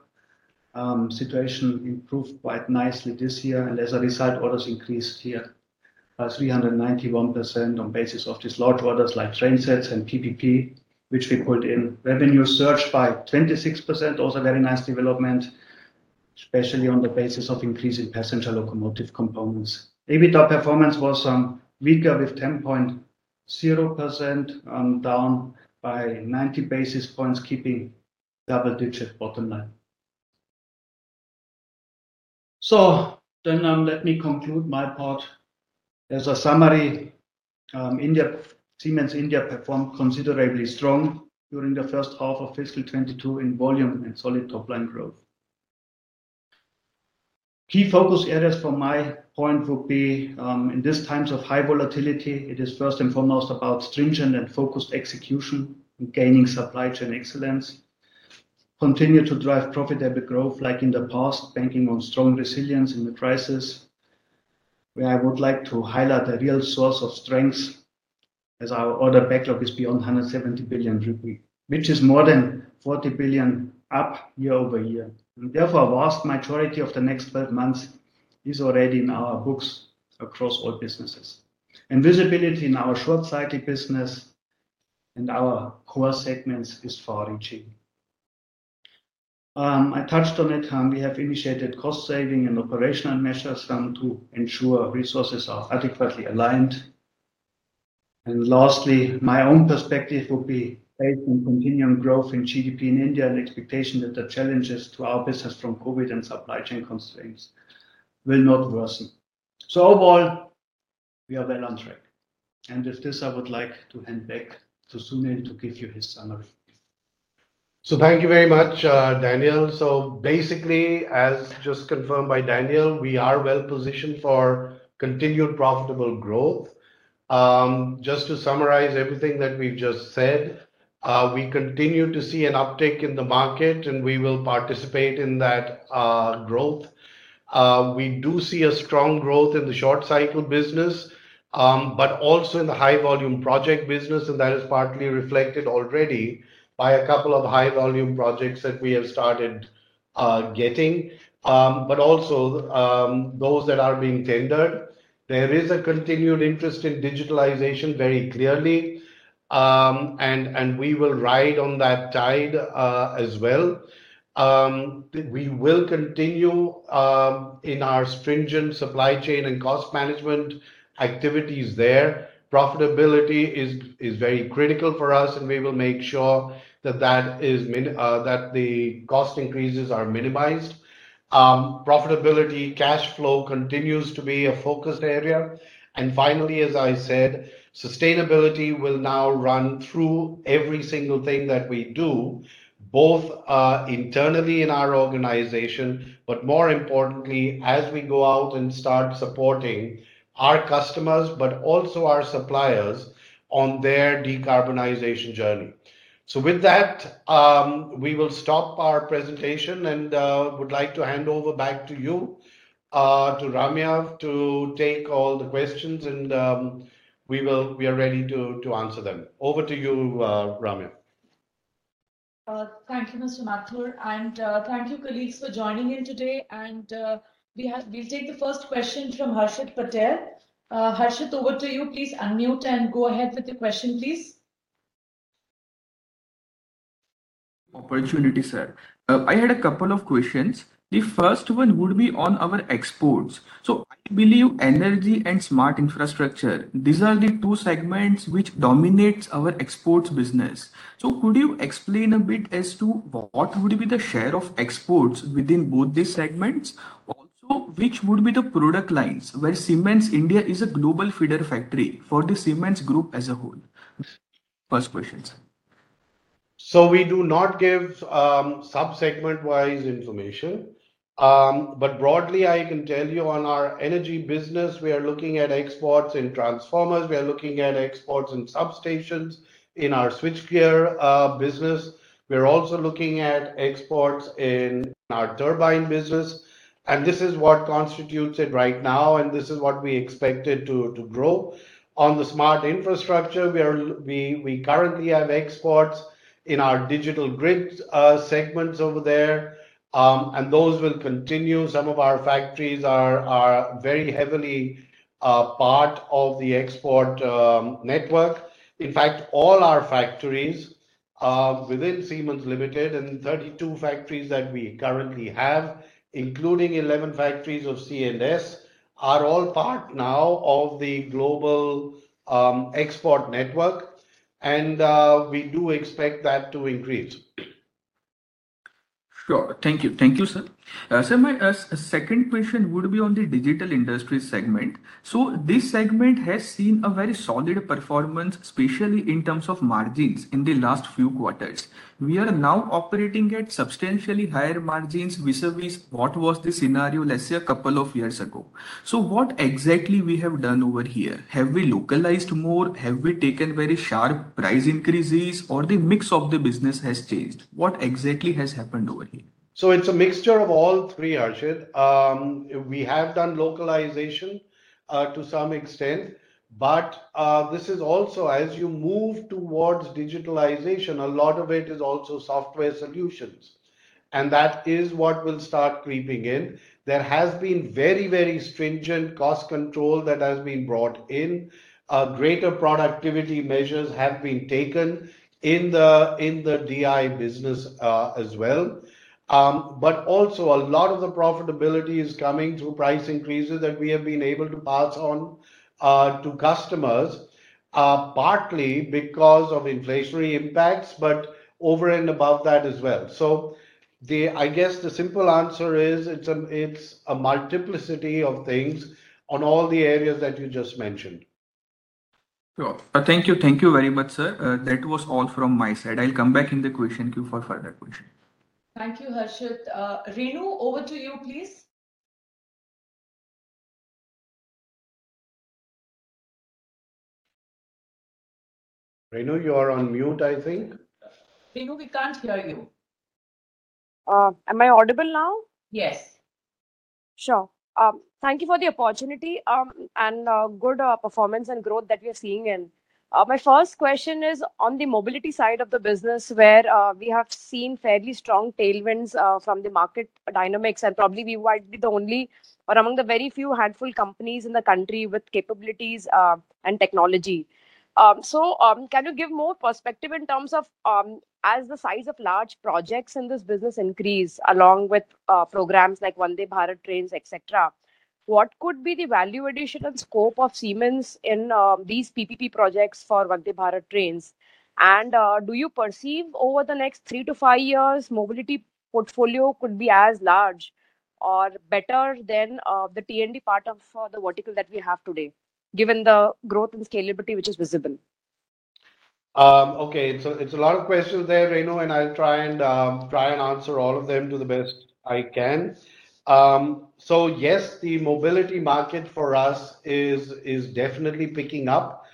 Situation improved quite nicely this year, and as a result, orders increased here by 391% on basis of these large orders like trainsets and PPP, which we pulled in. Revenue surged by 26%, also a very nice development, especially on the basis of increasing passenger locomotive components. EBITDA performance was weaker with 10.0%, down by 90 basis points, keeping double-digit bottom line. So then let me conclude my part. As a summary, Siemens India performed considerably strong during the first half of fiscal 2022 in volume and solid top-line growth. Key focus areas for my point would be in these times of high volatility. It is first and foremost about stringent and focused execution and gaining supply chain excellence. Continue to drive profitable growth like in the past, banking on strong resilience in the crisis. Where I would like to highlight a real source of strength as our order backlog is beyond 170 billion rupees, which is more than 40 billion up year-over-year. And therefore, a vast majority of the next 12 months is already in our books across all businesses. And visibility in our short-cycle business and our core segments is far-reaching. I touched on it. We have initiated cost-saving and operational measures to ensure resources are adequately aligned. And lastly, my own perspective would be based on continuing growth in GDP in India and expectation that the challenges to our business from COVID and supply chain constraints will not worsen. So overall, we are well on track. With this, I would like to hand back to Sunil to give you his summary. Thank you very much, Daniel. Basically, as just confirmed by Daniel, we are well positioned for continued profitable growth. Just to summarize everything that we've just said, we continue to see an uptick in the market, and we will participate in that growth. We do see a strong growth in the short-cycle business, but also in the high-volume project business, and that is partly reflected already by a couple of high-volume projects that we have started getting, but also those that are being tendered. There is a continued interest in digitalization very clearly, and we will ride on that tide as well. We will continue in our stringent supply chain and cost management activities there. Profitability is very critical for us, and we will make sure that the cost increases are minimized. Profitability, cash flow continues to be a focused area. And finally, as I said, sustainability will now run through every single thing that we do, both internally in our organization, but more importantly, as we go out and start supporting our customers, but also our suppliers on their decarbonization journey. So with that, we will stop our presentation and would like to hand over back to you, to Ramya, to take all the questions, and we are ready to answer them. Over to you, Ramya. Thank you, Mr. Mathur, and thank you, colleagues, for joining in today and we'll take the first question from Harshit Patel. Harshit, over to you. Please unmute and go ahead with the question, please. Opportunity, sir. I had a couple of questions. The first one would be on our exports. So I believe energy and Smart Infrastructure, these are the two segments which dominate our exports business. So could you explain a bit as to what would be the share of exports within both these segments? Also, which would be the product lines where Siemens India is a global feeder factory for the Siemens Group as a whole? First question, sir. So we do not give sub-segment-wise information. But broadly, I can tell you on our energy business, we are looking at exports in transformers. We are looking at exports in substations in our switchgear business. We're also looking at exports in our turbine business. And this is what constitutes it right now, and this is what we expected to grow. On the Smart Infrastructure, we currently have exports in our digital grid segments over there, and those will continue. Some of our factories are very heavily part of the export network. In fact, all our factories within Siemens Limited and 32 factories that we currently have, including 11 factories of C&S, are all part now of the global export network, and we do expect that to increase. Sure. Thank you. Thank you, sir. So my second question would be on the Digital Industries segment. So this segment has seen a very solid performance, especially in terms of margins in the last few quarters. We are now operating at substantially higher margins vis-à-vis what was the scenario, let's say, a couple of years ago. So what exactly we have done over here? Have we localized more? Have we taken very sharp price increases, or the mix of the business has changed? What exactly has happened over here? So it's a mixture of all three, Harshit. We have done localization to some extent, but this is also, as you move towards digitalization, a lot of it is also software solutions, and that is what will start creeping in. There has been very, very stringent cost control that has been brought in. Greater productivity measures have been taken in the DI business as well. But also, a lot of the profitability is coming through price increases that we have been able to pass on to customers, partly because of inflationary impacts, but over and above that as well. So I guess the simple answer is it's a multiplicity of things on all the areas that you just mentioned. Sure. Thank you. Thank you very much, sir. That was all from my side. I'll come back in the question queue for further questions. Thank you, Harshit. Renu, over to you, please. Renu, you are on mute, I think. Renu, we can't hear you. Am I audible now? Yes. Sure. Thank you for the opportunity and good performance and growth that we are seeing in. My first question is on the Mobility side of the business, where we have seen fairly strong tailwinds from the market dynamics, and probably we might be the only or among the very few handful companies in the country with capabilities and technology. So can you give more perspective in terms of as the size of large projects in this business increase along with programs like Vande Bharat Trains, etc., what could be the value addition and scope of Siemens in these PPP projects for Vande Bharat Trains? And do you perceive over the next three to five years, Mobility portfolio could be as large or better than the T&D part of the vertical that we have today, given the growth and scalability which is visible? Okay. It's a lot of questions there, Renu, and I'll try and answer all of them to the best I can. So yes, the Mobility market for us is definitely picking up.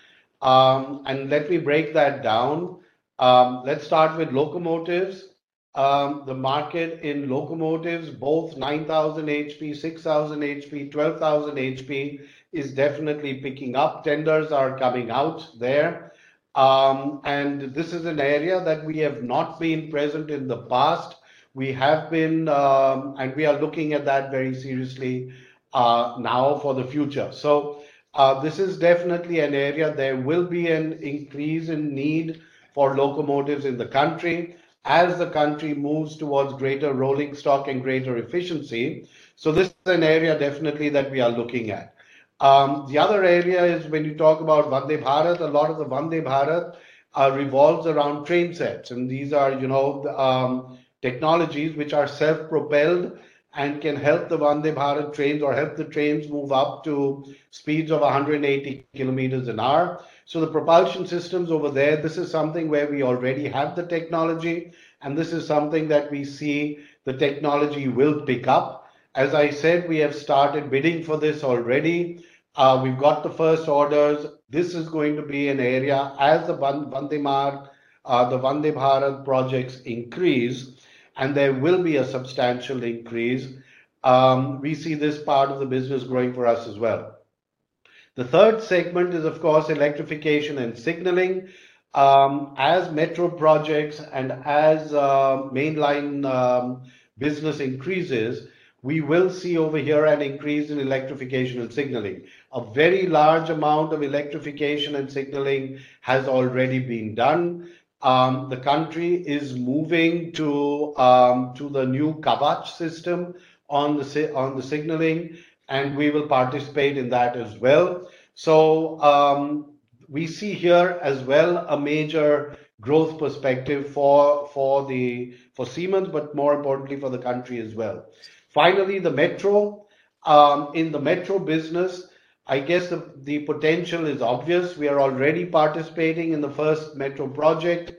And let me break that down. Let's start with locomotives. The market in locomotives, both 9,000 HP, 6,000 HP, 12,000 HP, is definitely picking up. Tenders are coming out there. And this is an area that we have not been present in the past. We have been, and we are looking at that very seriously now for the future. So this is definitely an area there will be an increase in need for locomotives in the country as the country moves towards greater rolling stock and greater efficiency. So this is an area definitely that we are looking at. The other area is when you talk about Vande Bharat, a lot of the Vande Bharat revolves around trainsets, and these are technologies which are self-propelled and can help the Vande Bharat trains or help the trains move up to speeds of 180 km an hour, so the propulsion systems over there, this is something where we already have the technology, and this is something that we see the technology will pick up. As I said, we have started bidding for this already. We've got the first orders. This is going to be an area as the Vande Bharat projects increase, and there will be a substantial increase. We see this part of the business growing for us as well. The third segment is, of course, electrification and signaling. As metro projects and as mainline business increases, we will see over here an increase in electrification and signaling. A very large amount of electrification and signaling has already been done. The country is moving to the new Kavach system on the signaling, and we will participate in that as well. So we see here as well a major growth perspective for Siemens, but more importantly, for the country as well. Finally, the metro. In the metro business, I guess the potential is obvious. We are already participating in the first metro project,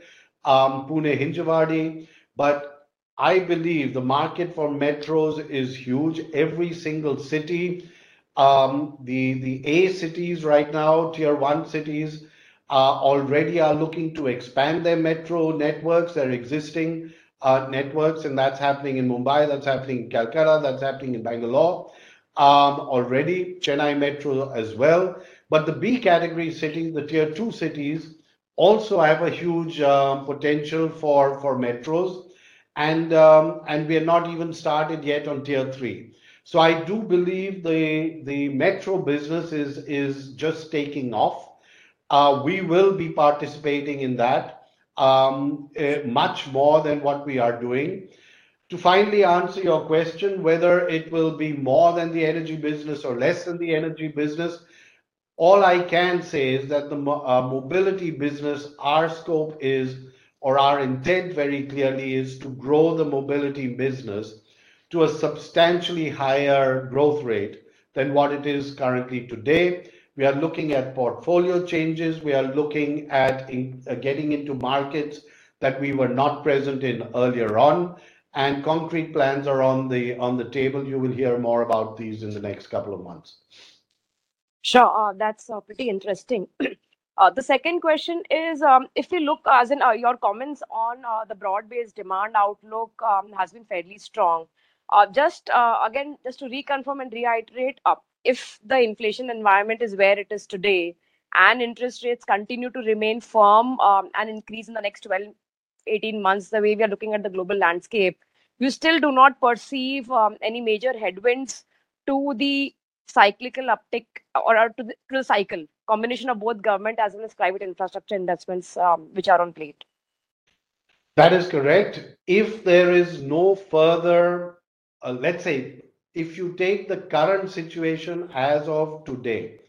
Pune-Hinjewadi, but I believe the market for metros is huge. Every single city, the A cities right now, Tier 1 cities, already are looking to expand their metro networks, their existing networks, and that's happening in Mumbai, that's happening in Calcutta, that's happening in Bengaluru already, Chennai Metro as well. But the B category cities, the Tier 2 cities, also have a huge potential for metros, and we have not even started yet on Tier 3. So I do believe the metro business is just taking off. We will be participating in that much more than what we are doing. To finally answer your question, whether it will be more than the energy business or less than the energy business, all I can say is that the Mobility business, our scope is, or our intent very clearly is to grow the Mobility business to a substantially higher growth rate than what it is currently today. We are looking at portfolio changes. We are looking at getting into markets that we were not present in earlier on, and concrete plans are on the table. You will hear more about these in the next couple of months. Sure. That's pretty interesting. The second question is, if you look at your comments on the broad-based demand outlook has been fairly strong. Just again, just to reconfirm and reiterate, if the inflation environment is where it is today and interest rates continue to remain firm and increase in the next 12, 18 months, the way we are looking at the global landscape, you still do not perceive any major headwinds to the cyclical uptick or to the cycle combination of both government as well as private infrastructure investments which are on plate? That is correct. If there is no further, let's say, if you take the current situation as of today,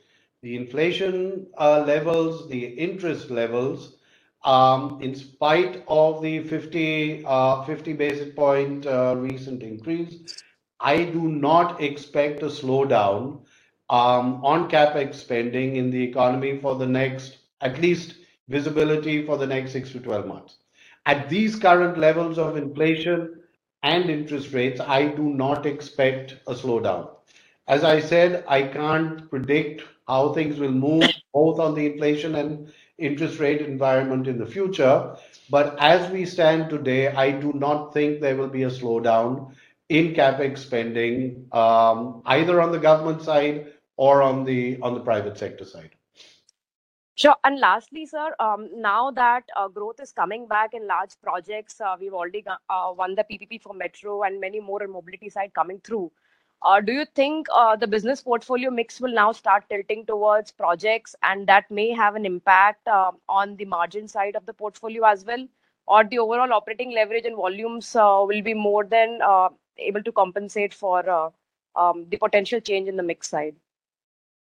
the inflation levels, the interest levels, in spite of the 50 basis point recent increase, I do not expect a slowdown on CapEx spending in the economy for the next, at least visibility for the next six to 12 months. At these current levels of inflation and interest rates, I do not expect a slowdown. As I said, I can't predict how things will move both on the inflation and interest rate environment in the future, but as we stand today, I do not think there will be a slowdown in CapEx spending either on the government side or on the private sector side. Sure. And lastly, sir, now that growth is coming back in large projects, we've already won the PPP for Metro and many more on Mobility side coming through. Do you think the business portfolio mix will now start tilting towards projects, and that may have an impact on the margin side of the portfolio as well, or the overall operating leverage and volumes will be more than able to compensate for the potential change in the mix side?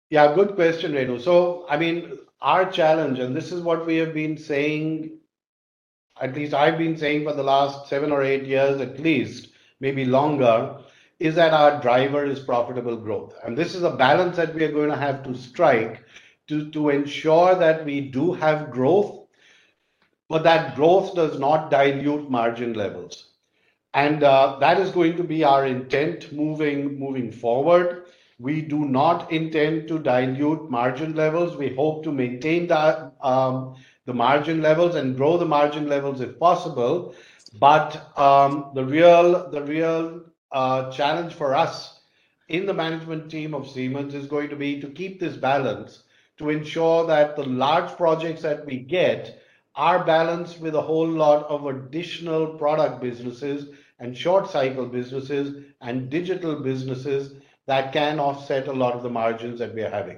Yeah, good question, Renu, so I mean, our challenge, and this is what we have been saying, at least I've been saying for the last seven or eight years at least, maybe longer, is that our driver is profitable growth, and this is a balance that we are going to have to strike to ensure that we do have growth, but that growth does not dilute margin levels, and that is going to be our intent moving forward. We do not intend to dilute margin levels. We hope to maintain the margin levels and grow the margin levels if possible. The real challenge for us in the management team of Siemens is going to be to keep this balance to ensure that the large projects that we get are balanced with a whole lot of additional product businesses and short-cycle businesses and digital businesses that can offset a lot of the margins that we are having.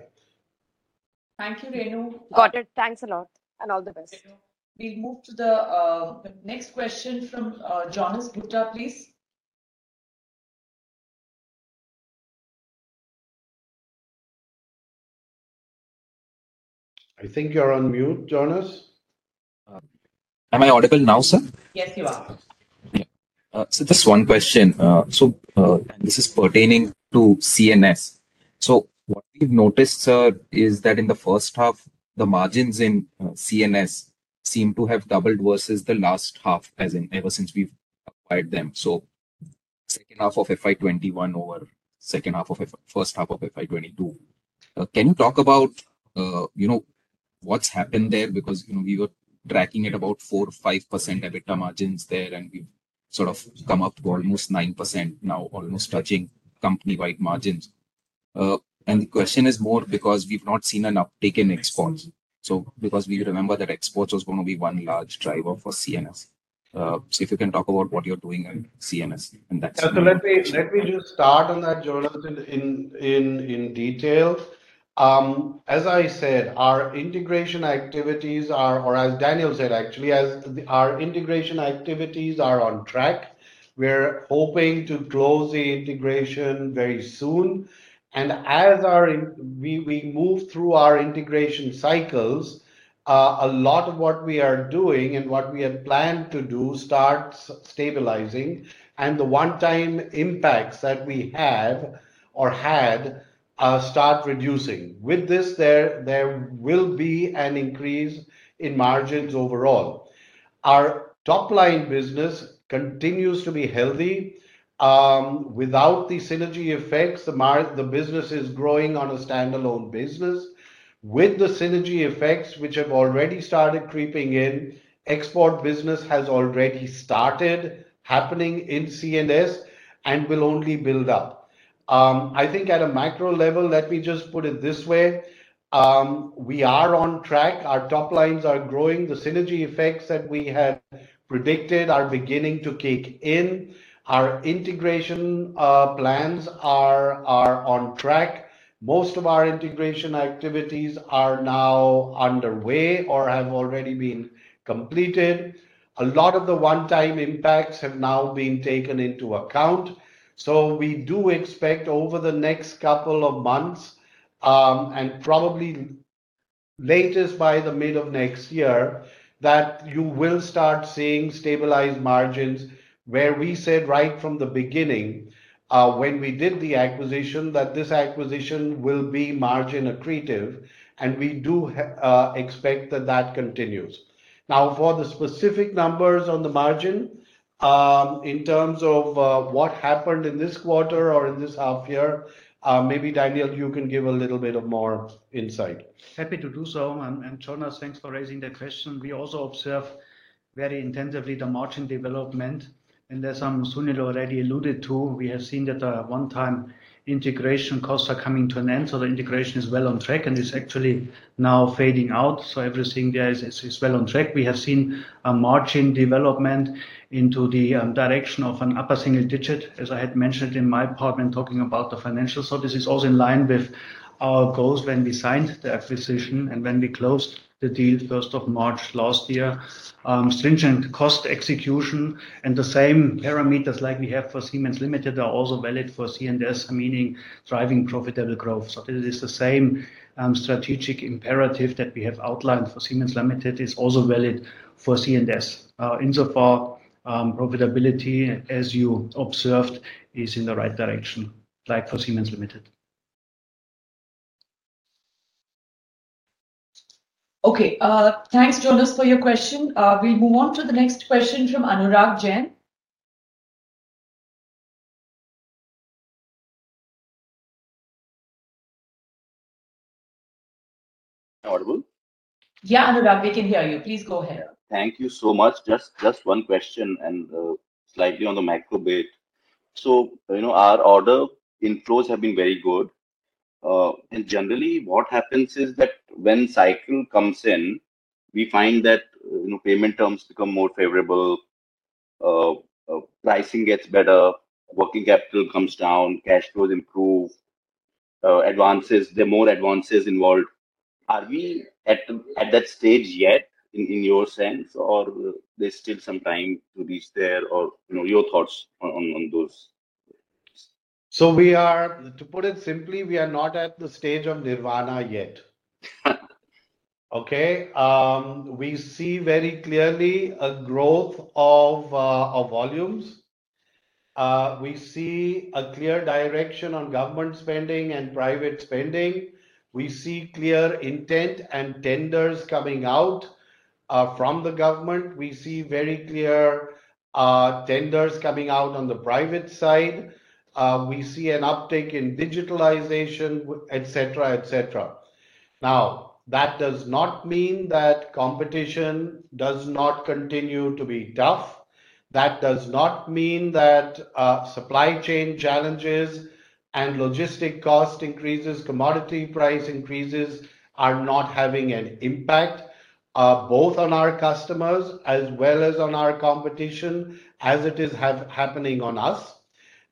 Thank you, Renu. Got it. Thanks a lot. And all the best. Renu, we'll move to the next question from Jonas Bhutta, please. I think you're on mute, Jonas. Am I audible now, sir? Yes, you are. Just one question. This is pertaining to C&S. What we've noticed, sir, is that in the first half, the margins in C&S seem to have doubled versus the last half ever since we've acquired them. Second half of FY 2021 over first half of FY 2022. Can you talk about what's happened there? Because we were tracking at about 4%-5% EBITDA margins there, and we've sort of come up to almost 9% now, almost touching company-wide margins. The question is more because we've not seen an uptick in exports. Because we remember that exports was going to be one large driver for C&S. If you can talk about what you're doing in C&S and that's— Let me just start on that, Jonas, in detail. As I said, our integration activities are, or as Daniel said, actually, our integration activities are on track. We're hoping to close the integration very soon, and as we move through our integration cycles, a lot of what we are doing and what we had planned to do starts stabilizing, and the one-time impacts that we have or had start reducing. With this, there will be an increase in margins overall. Our top-line business continues to be healthy. Without the synergy effects, the business is growing on a standalone business. With the synergy effects, which have already started creeping in, export business has already started happening in C&S and will only build up. I think at a macro level, let me just put it this way. We are on track. Our top lines are growing. The synergy effects that we had predicted are beginning to kick in. Our integration plans are on track. Most of our integration activities are now underway or have already been completed. A lot of the one-time impacts have now been taken into account. So we do expect over the next couple of months and probably latest by the mid of next year that you will start seeing stabilized margins where we said right from the beginning when we did the acquisition that this acquisition will be margin-accretive, and we do expect that that continues. Now, for the specific numbers on the margin in terms of what happened in this quarter or in this half year, maybe Daniel, you can give a little bit of more insight. Happy to do so, and Jonas, thanks for raising the question. We also observe very intensively the margin development, and there's something Sunil already alluded to. We have seen that the one-time integration costs are coming to an end, so the integration is well on track, and it's actually now fading out. Everything there is well on track. We have seen a margin development into the direction of an upper single-digit, as I had mentioned in my part when talking about the financials. This is also in line with our goals when we signed the acquisition and when we closed the deal 1st of March last year. Stringent cost execution and the same parameters like we have for Siemens Limited are also valid for C&S, meaning driving profitable growth. So this is the same strategic imperative that we have outlined for Siemens Limited is also valid for C&S. Insofar as profitability, as you observed, is in the right direction like for Siemens Limited. Okay. Thanks, Jonas, for your question. We'll move on to the next question from Anurag Jain. Yeah, Anurag, we can hear you. Please go ahead. Thank you so much. Just one question and slightly on the micro bit. So our order inflows have been very good. And generally, what happens is that when cycle comes in, we find that payment terms become more favorable, pricing gets better, working capital comes down, cash flows improve, advances, there are more advances involved. Are we at that stage yet in your sense, or there's still some time to reach there, or your thoughts on those? So to put it simply, we are not at the stage of Nirvana yet. Okay? We see very clearly a growth of volumes. We see a clear direction on government spending and private spending. We see clear intent and tenders coming out from the government. We see very clear tenders coming out on the private side. We see an uptick in digitalization, etc., etc. Now, that does not mean that competition does not continue to be tough. That does not mean that supply chain challenges and logistic cost increases, commodity price increases are not having an impact both on our customers as well as on our competition as it is happening on us.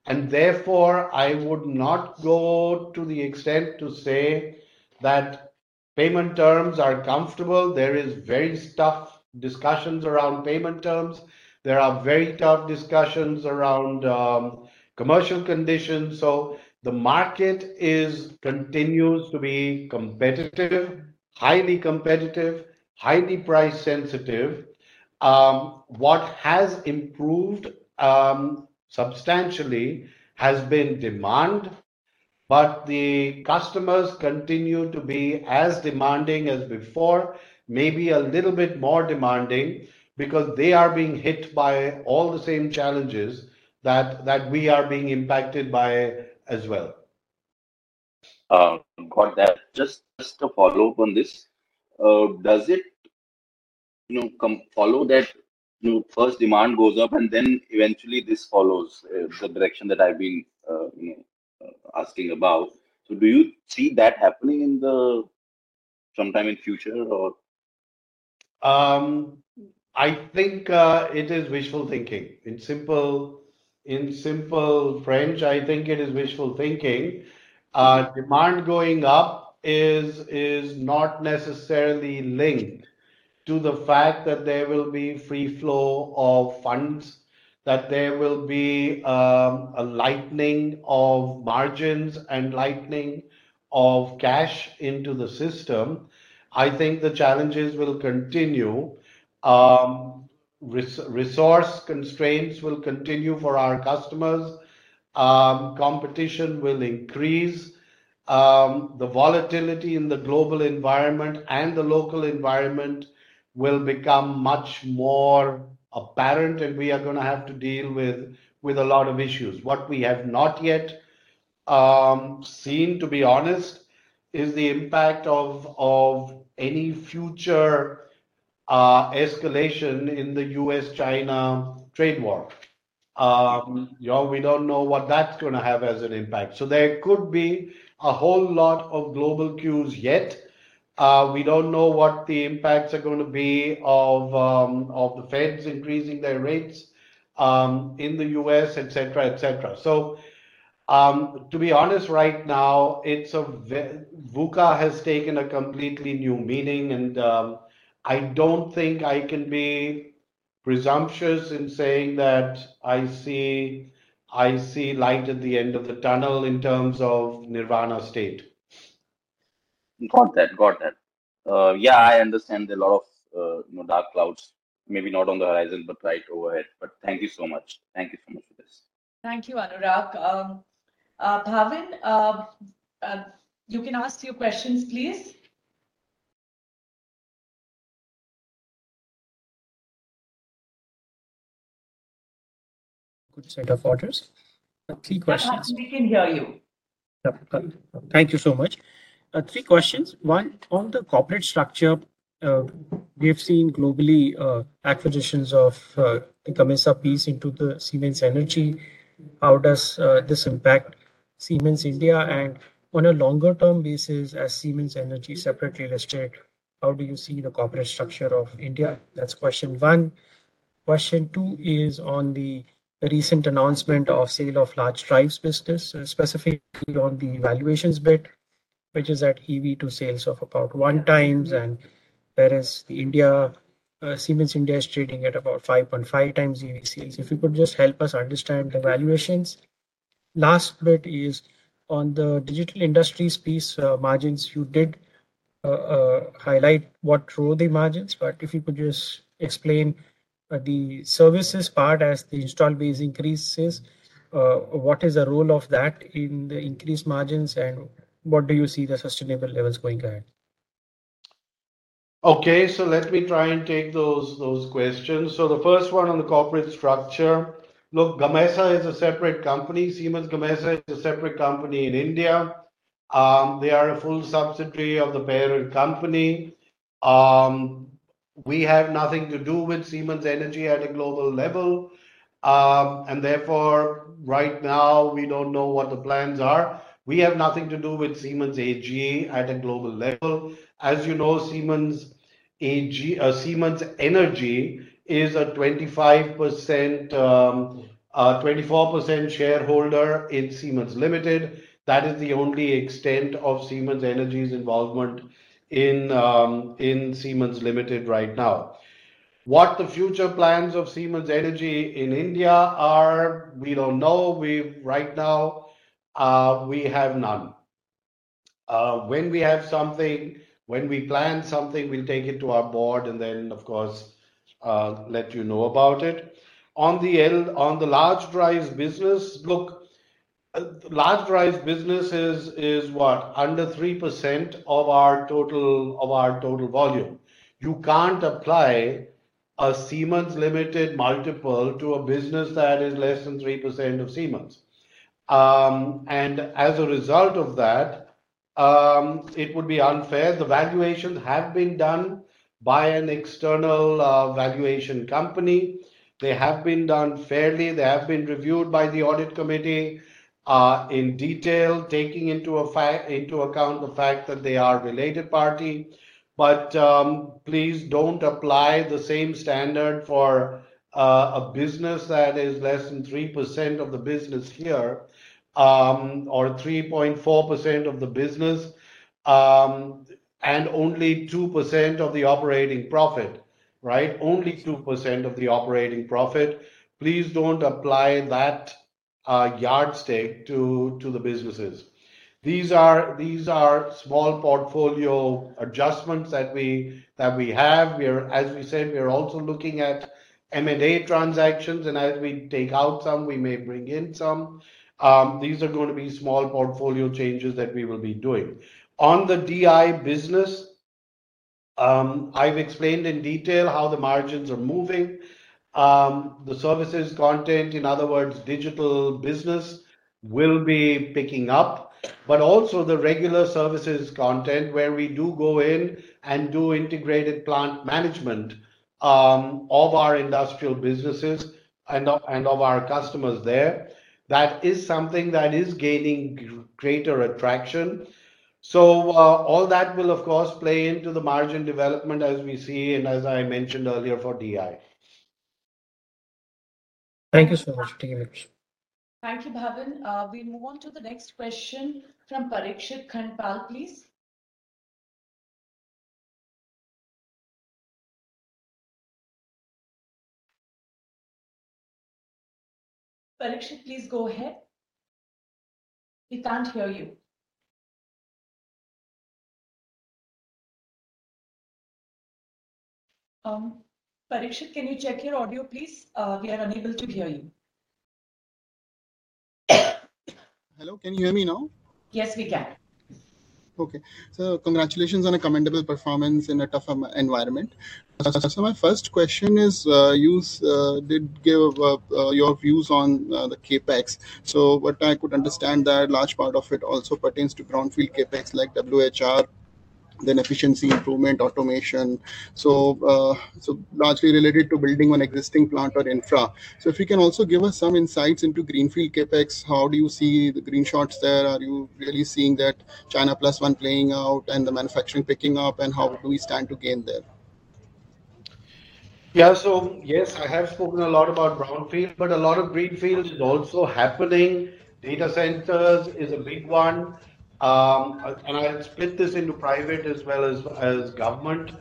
And therefore, I would not go to the extent to say that payment terms are comfortable. There are very tough discussions around payment terms. There are very tough discussions around commercial conditions. So the market continues to be competitive, highly competitive, highly price-sensitive. What has improved substantially has been demand, but the customers continue to be as demanding as before, maybe a little bit more demanding because they are being hit by all the same challenges that we are being impacted by as well. Got that. Just to follow up on this, does it follow that first demand goes up and then eventually this follows the direction that I've been asking about? So do you see that happening sometime in the future, or? I think it is wishful thinking. In simple terms, I think it is wishful thinking. Demand going up is not necessarily linked to the fact that there will be free flow of funds, that there will be a lightening of margins and lightening of cash into the system. I think the challenges will continue. Resource constraints will continue for our customers. Competition will increase. The volatility in the global environment and the local environment will become much more apparent, and we are going to have to deal with a lot of issues. What we have not yet seen, to be honest, is the impact of any future escalation in the U.S.-China trade war. We don't know what that's going to have as an impact. So there could be a whole lot of global cues yet. We don't know what the impacts are going to be of the Fed's increasing their rates in the U.S., etc., etc. So to be honest, right now, VUCA has taken a completely new meaning, and I don't think I can be presumptuous in saying that I see light at the end of the tunnel in terms of Nirvana state. Got that. Got that. Yeah, I understand a lot of dark clouds, maybe not on the horizon, but right overhead. But thank you so much. Thank you so much for this. Thank you, Anurag. Bhavin, you can ask a few questions, please. Good set of orders. Three questions. We can hear you. Thank you so much. Three questions. One, on the corporate structure, we have seen globally acquisitions of the Gamesa piece into the Siemens Energy. How does this impact Siemens India? And on a longer-term basis, as Siemens Energy separately listed, how do you see the corporate structure of India? That's question one. Question two is on the recent announcement of sale of Large Drives business, specifically on the valuations bit, which is at EV to sales of about 1x, and whereas Siemens India is trading at about 5.5x EV sales. If you could just help us understand the valuations. Last bit is on the Digital Industries piece margins. You did highlight what drove the margins, but if you could just explain the services part as the installed base increases, what is the role of that in the increased margins, and what do you see the sustainable levels going ahead? Okay. So let me try and take those questions. So the first one on the corporate structure. Look, Gamesa is a separate company. Siemens Gamesa is a separate company in India. They are a full subsidiary of the parent company. We have nothing to do with Siemens Energy at a global level. And therefore, right now, we don't know what the plans are. We have nothing to do with Siemens AG at a global level. As you know, Siemens Energy is a 25% shareholder in Siemens Limited. That is the only extent of Siemens Energy's involvement in Siemens Limited right now. What the future plans of Siemens Energy in India are, we don't know. Right now, we have none. When we have something, when we plan something, we'll take it to our board and then, of course, let you know about it. On the Large Drives business, look, Large Drives business is what? Under 3% of our total volume. You can't apply a Siemens Limited multiple to a business that is less than 3% of Siemens. And as a result of that, it would be unfair. The valuations have been done by an external valuation company. They have been done fairly. They have been reviewed by the audit committee in detail, taking into account the fact that they are a related party. But please don't apply the same standard for a business that is less than 3% of the business here or 3.4% of the business and only 2% of the operating profit, right? Only 2% of the operating profit. Please don't apply that yardstick to the businesses. These are small portfolio adjustments that we have. As we said, we're also looking at M&A transactions, and as we take out some, we may bring in some. These are going to be small portfolio changes that we will be doing. On the DI business, I've explained in detail how the margins are moving. The services content, in other words, digital business will be picking up, but also the regular services content where we do go in and do integrated plant management of our industrial businesses and of our customers there. That is something that is gaining greater attraction. So all that will, of course, play into the margin development as we see and as I mentioned earlier for DI. Thank you so much. Thank you, Bhavin. We'll move on to the next question from Parikshit Khandpal, please. Parikshit, please go ahead. We can't hear you. Parikshit, can you check your audio, please? We are unable to hear you. Hello. Can you hear me now? Yes, we can. Okay. Congratulations on a commendable performance in a tough environment. My first question is, you did give your views on the CapEx. What I could understand is that a large part of it also pertains to greenfield CapEx like WHR, then efficiency improvement, automation. So largely related to building on existing plant or infra. If you can also give us some insights into greenfield CapEx, how do you see the green shoots there? Are you really seeing that China Plus One playing out and the manufacturing picking up, and how do we stand to gain there? Yeah. So yes, I have spoken a lot about brownfield, but a lot of greenfield is also happening. Data centers is a big one. And I'll split this into private as well as government.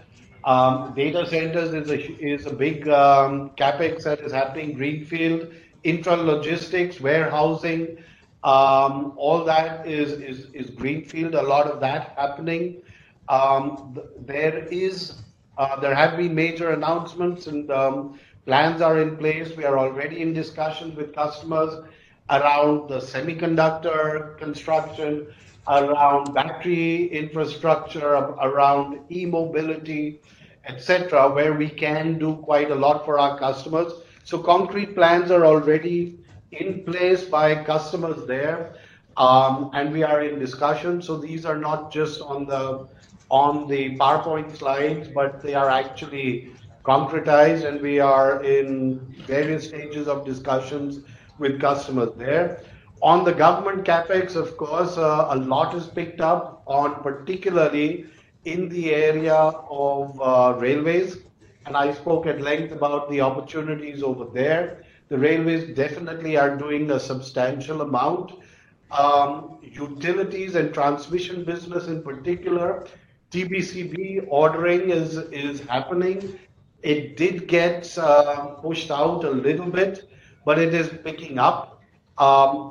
Data centers is a big CapEx that is happening. Greenfield, infra logistics, warehousing, all that is greenfield. A lot of that happening. There have been major announcements, and plans are in place. We are already in discussion with customers around the semiconductor construction, around battery infrastructure, around e-mobility, etc., where we can do quite a lot for our customers. So concrete plans are already in place by customers there, and we are in discussion. So these are not just on the PowerPoint slides, but they are actually concretized, and we are in various stages of discussions with customers there. On the government CapEx, of course, a lot is picked up, particularly in the area of railways. I spoke at length about the opportunities over there. The railways definitely are doing a substantial amount. Utilities and transmission business in particular, TBCB ordering is happening. It did get pushed out a little bit, but it is picking up.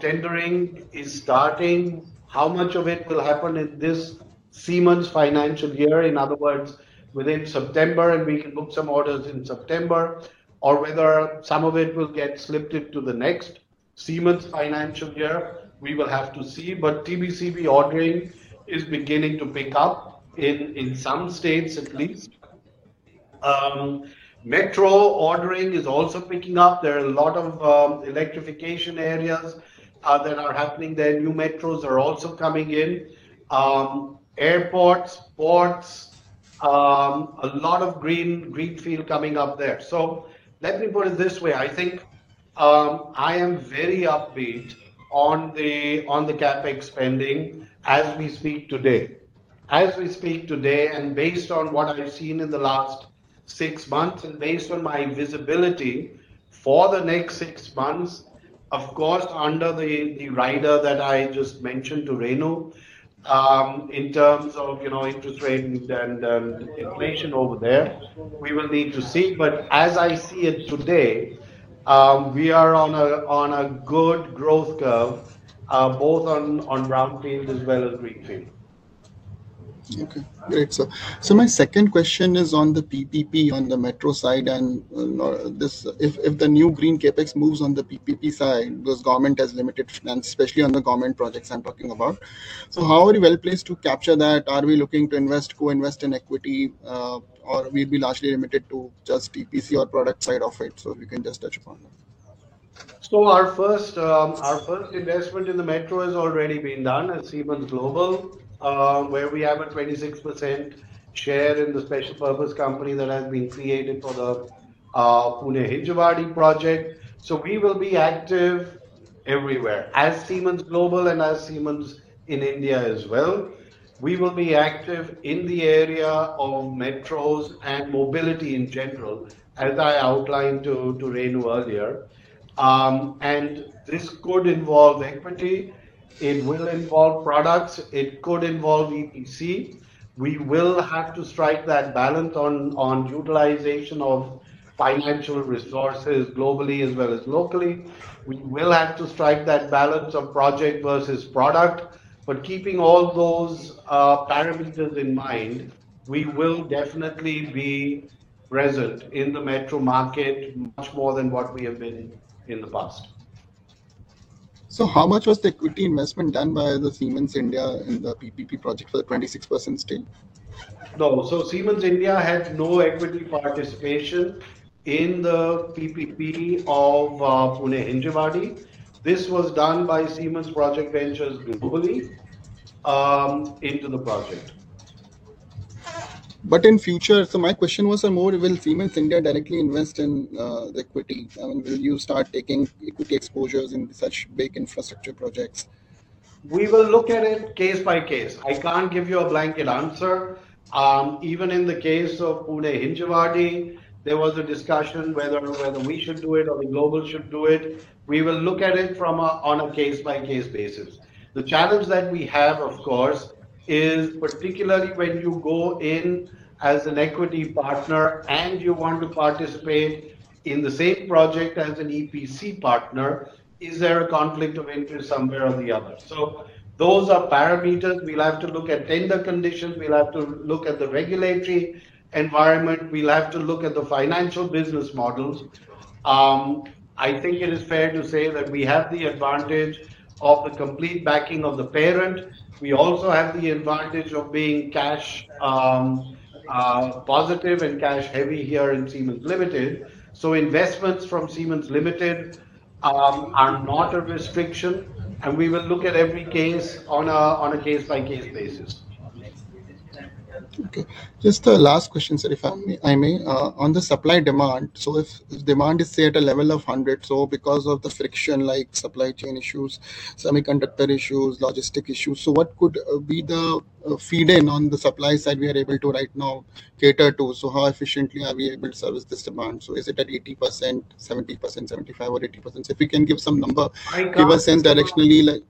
Tendering is starting. How much of it will happen in this Siemens financial year? In other words, within September, and we can book some orders in September, or whether some of it will get slipped into the next Siemens financial year, we will have to see. TBCB ordering is beginning to pick up in some states at least. Metro ordering is also picking up. There are a lot of electrification areas that are happening there. New metros are also coming in. Airports, ports, a lot of greenfield coming up there. Let me put it this way. I think I am very upbeat on the CapEx spending as we speak today. As we speak today, and based on what I've seen in the last six months, and based on my visibility for the next six months, of course, under the rider that I just mentioned to Renu, in terms of interest rate and inflation over there, we will need to see, but as I see it today, we are on a good growth curve, both on brownfield as well as greenfield. Okay. Great. So my second question is on the PPP on the metro side. And if the new green Capex moves on the PPP side, because government has limited finances, especially on the government projects I'm talking about, so how are you well placed to capture that? Are we looking to invest, co-invest in equity, or will we be largely limited to just EPC or product side of it? So if you can just touch upon that. Our first investment in the metro has already been done at Siemens Global, where we have a 26% share in the special purpose company that has been created for the Pune-Hinjewadi project. We will be active everywhere, as Siemens Global and as Siemens in India as well. We will be active in the area of metros and Mobility in general, as I outlined to Renu earlier. And this could involve equity. It will involve products. It could involve EPC. We will have to strike that balance on utilization of financial resources globally as well as locally. We will have to strike that balance of project versus product. But keeping all those parameters in mind, we will definitely be present in the metro market much more than what we have been in the past. So how much was the equity investment done by the Siemens India in the PPP project for the 26% stake? No. So Siemens India had no equity participation in the PPP of Pune-Hinjewadi. This was done by Siemens Project Ventures globally into the project. But in future, so my question was, will Siemens India directly invest in equity? Will you start taking equity exposures in such big infrastructure projects? We will look at it case-by-case. I can't give you a blanket answer. Even in the case of Pune-Hinjewadi, there was a discussion whether we should do it or the global should do it. We will look at it on a case-by-case basis. The challenge that we have, of course, is particularly when you go in as an equity partner and you want to participate in the same project as an EPC partner, is there a conflict of interest somewhere or the other? So those are parameters we'll have to look at. Then the conditions, we'll have to look at the regulatory environment. We'll have to look at the financial business models. I think it is fair to say that we have the advantage of the complete backing of the parent. We also have the advantage of being cash-positive and cash-heavy here in Siemens Limited. Investments from Siemens Limited are not a restriction. We will look at every case on a case-by-case basis. Okay. Just the last question, sir, if I may. On the supply-demand, so if demand is, say, at a level of 100, so because of the friction-like supply chain issues, semiconductor issues, logistic issues, so what could be the feed-in on the supply side we are able to right now cater to? So how efficiently are we able to service this demand? So is it at 80%, 70%, 75%, or 80%? So if you can give some number, give us sense directionally.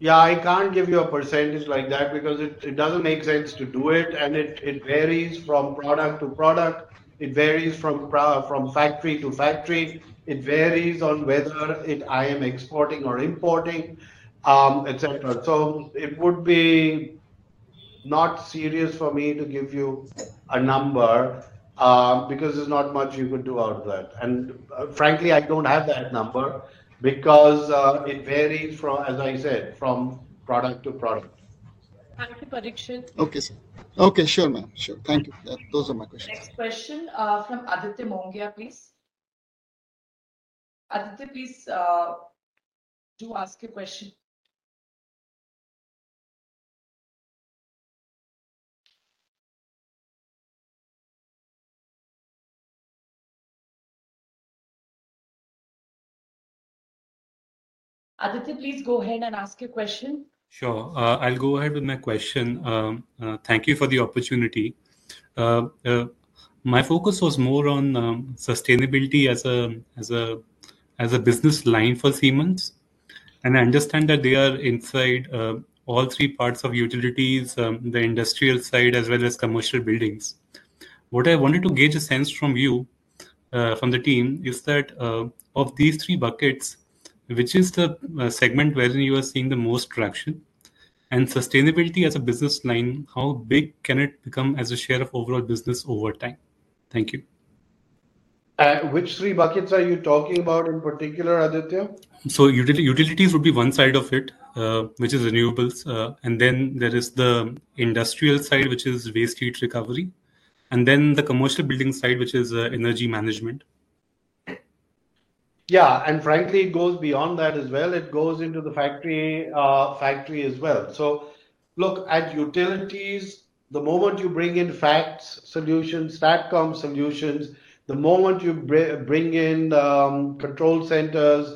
Yeah. I can't give you a percentage like that because it doesn't make sense to do it. And it varies from product to product. It varies from factory to factory. It varies on whether I am exporting or importing, etc. So it would be not serious for me to give you a number because there's not much you could do out of that. And frankly, I don't have that number because it varies, as I said, from product to product. Thank you, Parikshit. Okay. Okay. Sure, ma'am. Sure. Thank you. Those are my questions. Next question from Aditya Mongia, please. Aditya, please do ask your question. Aditya, please go ahead and ask your question. Sure. I'll go ahead with my question. Thank you for the opportunity. My focus was more on sustainability as a business line for Siemens. And I understand that they are inside all three parts of utilities, the industrial side, as well as commercial buildings. What I wanted to gauge a sense from you, from the team, is that of these three buckets, which is the segment wherein you are seeing the most traction? And sustainability as a business line, how big can it become as a share of overall business over time? Thank you. Which three buckets are you talking about in particular, Aditya? Utilities would be one side of it, which is renewables, and then there is the industrial side, which is waste heat recovery, and then the commercial building side, which is energy management. Yeah. And frankly, it goes beyond that as well. It goes into the factory as well. So look, at utilities, the moment you bring in FACTS solutions, STATCOM solutions, the moment you bring in control centers,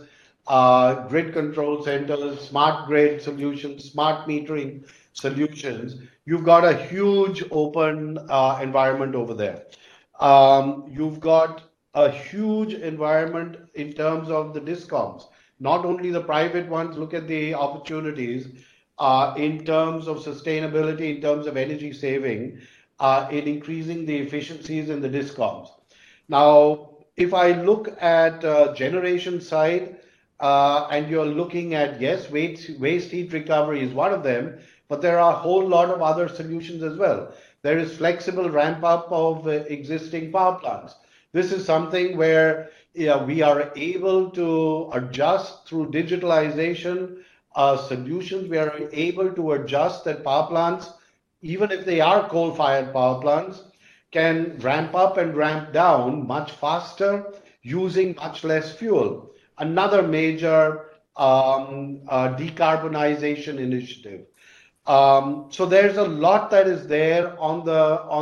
grid control centers, smart grid solutions, Smart Metering solutions, you've got a huge open environment over there. You've got a huge environment in terms of the DISCOMs. Not only the private ones. Look at the opportunities in terms of sustainability, in terms of energy saving, in increasing the efficiencies in the DISCOMs. Now, if I look at the generation side and you're looking at, yes, waste heat recovery is one of them, but there are a whole lot of other solutions as well. There is flexible ramp-up of existing power plants. This is something where we are able to adjust through digitalization solutions. We are able to adjust that power plants, even if they are coal-fired power plants, can ramp up and ramp down much faster using much less fuel. Another major decarbonization initiative so there's a lot that is there on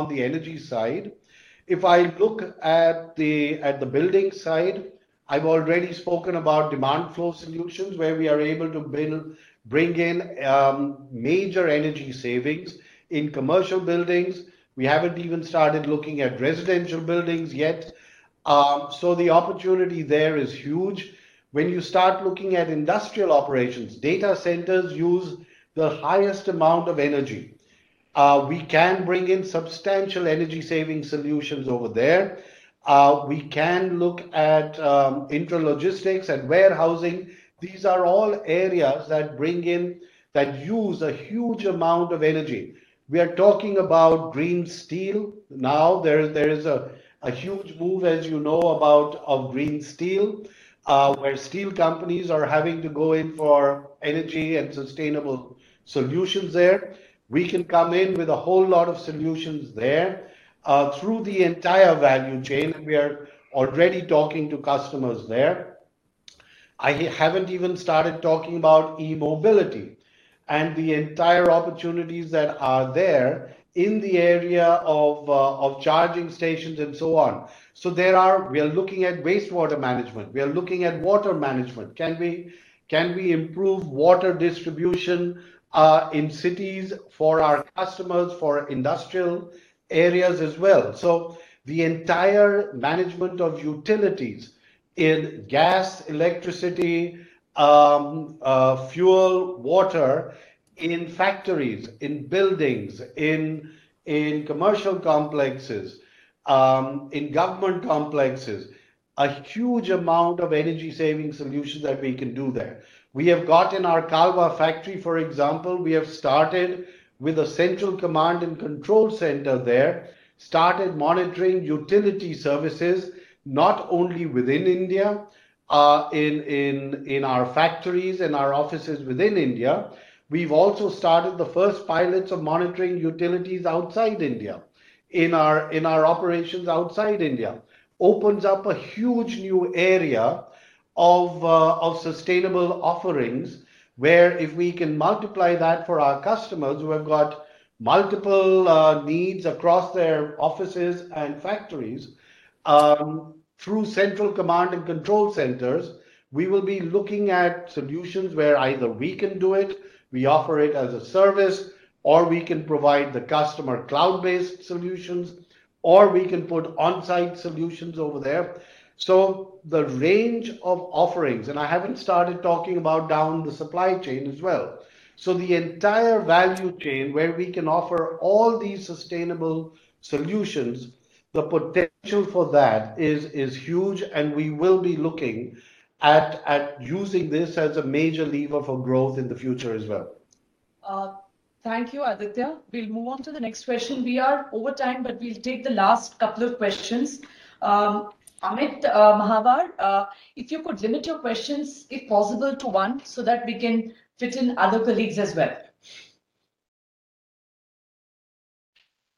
the energy side. If I look at the building side, I've already spoken about demand flow solutions where we are able to bring in major energy savings in commercial buildings. We haven't even started looking at residential buildings yet. The opportunity there is huge. When you start looking at industrial operations, data centers use the highest amount of energy. We can bring in substantial energy-saving solutions over there. We can look at intralogistics and warehousing. These are all areas that use a huge amount of energy. We are talking about green steel now. There is a huge move, as you know, of green steel, where steel companies are having to go in for energy and sustainable solutions there. We can come in with a whole lot of solutions there through the entire value chain. And we are already talking to customers there. I haven't even started talking about e-mobility and the entire opportunities that are there in the area of charging stations and so on. So we are looking at wastewater management. We are looking at water management. Can we improve water distribution in cities for our customers, for industrial areas as well? So the entire management of utilities in gas, electricity, fuel, water in factories, in buildings, in commercial complexes, in government complexes, a huge amount of energy-saving solutions that we can do there. We have got in our Kalwa factory, for example, we have started with a central command and control center there, started monitoring utility services not only within India, in our factories and our offices within India. We've also started the first pilots of monitoring utilities outside India, in our operations outside India. Opens up a huge new area of sustainable offerings where if we can multiply that for our customers who have got multiple needs across their offices and factories through central command and control centers, we will be looking at solutions where either we can do it, we offer it as a service, or we can provide the customer cloud-based solutions, or we can put on-site solutions over there. So the range of offerings, and I haven't started talking about down the supply chain as well. So the entire value chain where we can offer all these sustainable solutions, the potential for that is huge. And we will be looking at using this as a major lever for growth in the future as well. Thank you, Aditya. We'll move on to the next question. We are over time, but we'll take the last couple of questions. Amit Mahawar, if you could limit your questions, if possible, to one so that we can fit in other colleagues as well.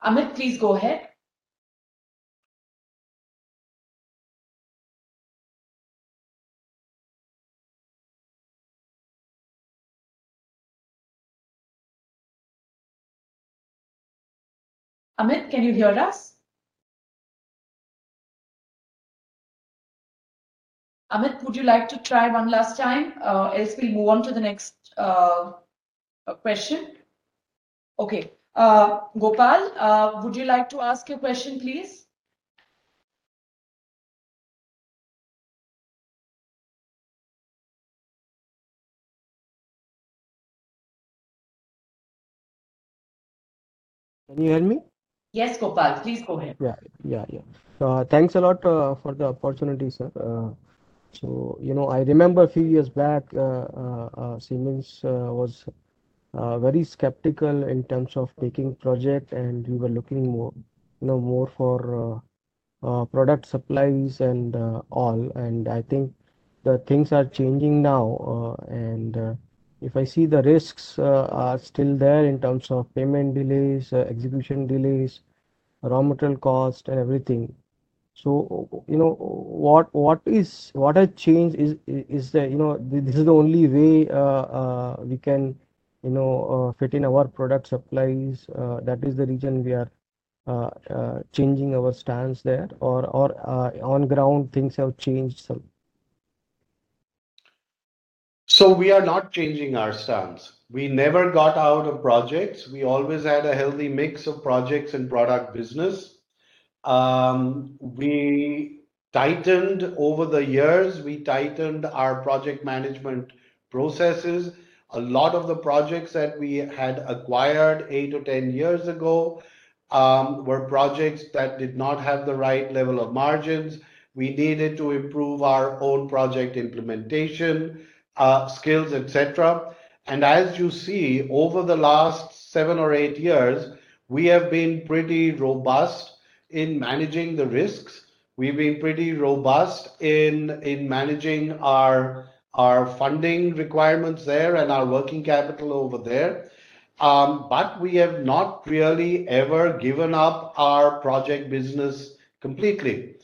Amit, please go ahead. Amit, can you hear us? Amit, would you like to try one last time? Else we'll move on to the next question. Okay. Gopal, would you like to ask your question, please? Can you hear me? Yes, Gopal. Please go ahead. Yeah. Thanks a lot for the opportunity, sir. So I remember a few years back, Siemens was very skeptical in terms of making projects, and we were looking more for product supplies and all. And I think the things are changing now. And if I see the risks are still there in terms of payment delays, execution delays, raw material cost, and everything. So what has changed is this is the only way we can fit in our product supplies. That is the reason we are changing our stance there. Or on ground, things have changed some. We are not changing our stance. We never got out of projects. We always had a healthy mix of projects and product business. We tightened over the years. We tightened our project management processes. A lot of the projects that we had acquired eight to 10 years ago were projects that did not have the right level of margins. We needed to improve our own project implementation, skills, etc. And as you see, over the last seven or eight years, we have been pretty robust in managing the risks. We've been pretty robust in managing our funding requirements there and our working capital over there. But we have not really ever given up our project business completely.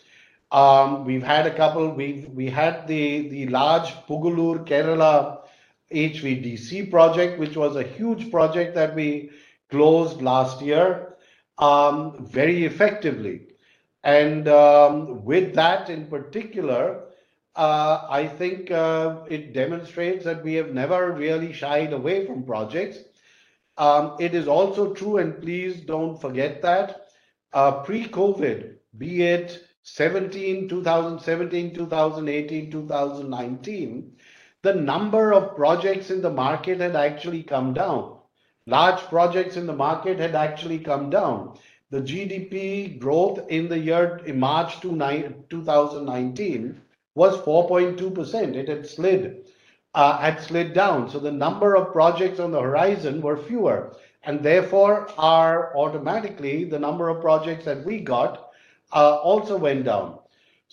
We've had a couple. We had the large Pugalur-Kerala HVDC project, which was a huge project that we closed last year very effectively. With that in particular, I think it demonstrates that we have never really shied away from projects. It is also true, and please don't forget that pre-COVID, be it 2017, 2018, 2019, the number of projects in the market had actually come down. Large projects in the market had actually come down. The GDP growth in the year March 2019 was 4.2%. It had slid down. The number of projects on the horizon were fewer. Therefore, automatically, the number of projects that we got also went down.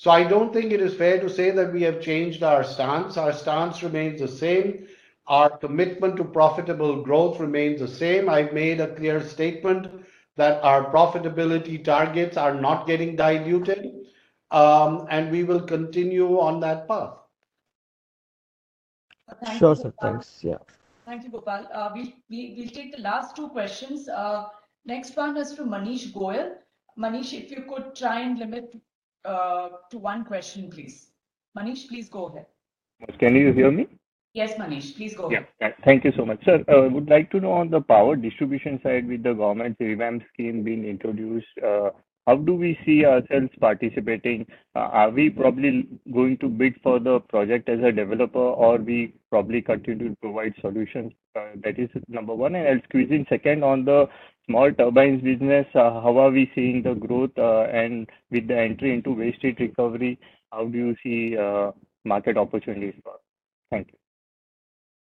I don't think it is fair to say that we have changed our stance. Our stance remains the same. Our commitment to profitable growth remains the same. I've made a clear statement that our profitability targets are not getting diluted. We will continue on that path. Sure, sir. Thanks. Yeah. Thank you, Gopal. We'll take the last two questions. Next one is from Manish Goyal. Manish, if you could try and limit to one question, please. Manish, please go ahead. Can you hear me? Yes, Manish. Please go ahead. Yeah. Thank you so much. Sir, I would like to know on the power distribution side with the government's revamp scheme being introduced, how do we see ourselves participating? Are we probably going to bid for the project as a developer, or we probably continue to provide solutions? That is number one. And my second question on the small turbines business, how are we seeing the growth? And with the entry into waste heat recovery, how do you see market opportunities for? Thank you.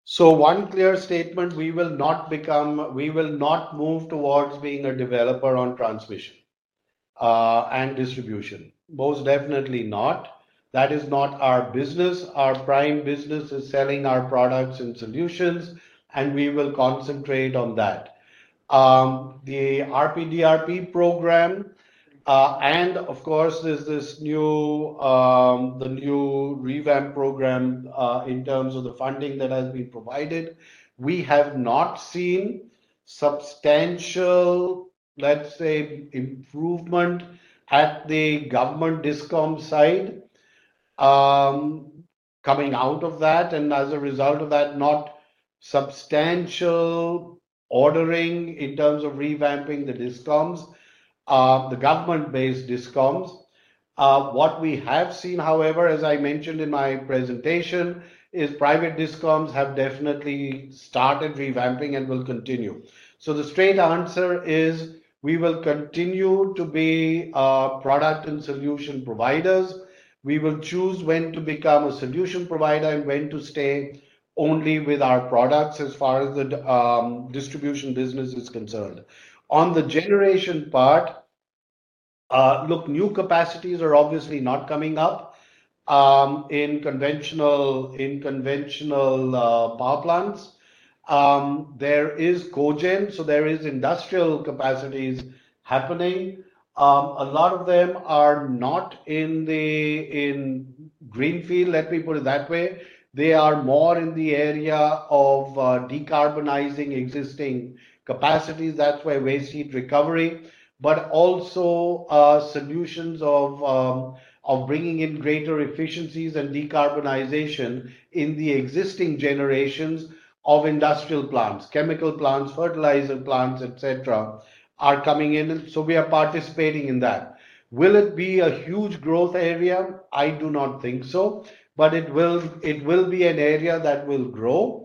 So one clear statement: we will not become, we will not move towards being a developer on transmission and distribution. Most definitely not. That is not our business. Our prime business is selling our products and solutions, and we will concentrate on that. The R-APDRP program, and of course, there's this new revamp program in terms of the funding that has been provided. We have not seen substantial, let's say, improvement at the government discom side. Coming out of that, and as a result of that, not substantial ordering in terms of revamping the DISCOMs, the government-based DISCOMs. What we have seen, however, as I mentioned in my presentation, is private DISCOMs have definitely started revamping and will continue. So the straight answer is we will continue to be product and solution providers. We will choose when to become a solution provider and when to stay only with our products as far as the distribution business is concerned. On the generation part, look, new capacities are obviously not coming up in conventional power plants. There is cogen. So there are industrial capacities happening. A lot of them are not in the greenfield, let me put it that way. They are more in the area of decarbonizing existing capacities. That's why waste heat recovery, but also solutions of bringing in greater efficiencies and decarbonization in the existing generations of industrial plants, chemical plants, fertilizer plants, etc., are coming in. And so we are participating in that. Will it be a huge growth area? I do not think so, but it will be an area that will grow,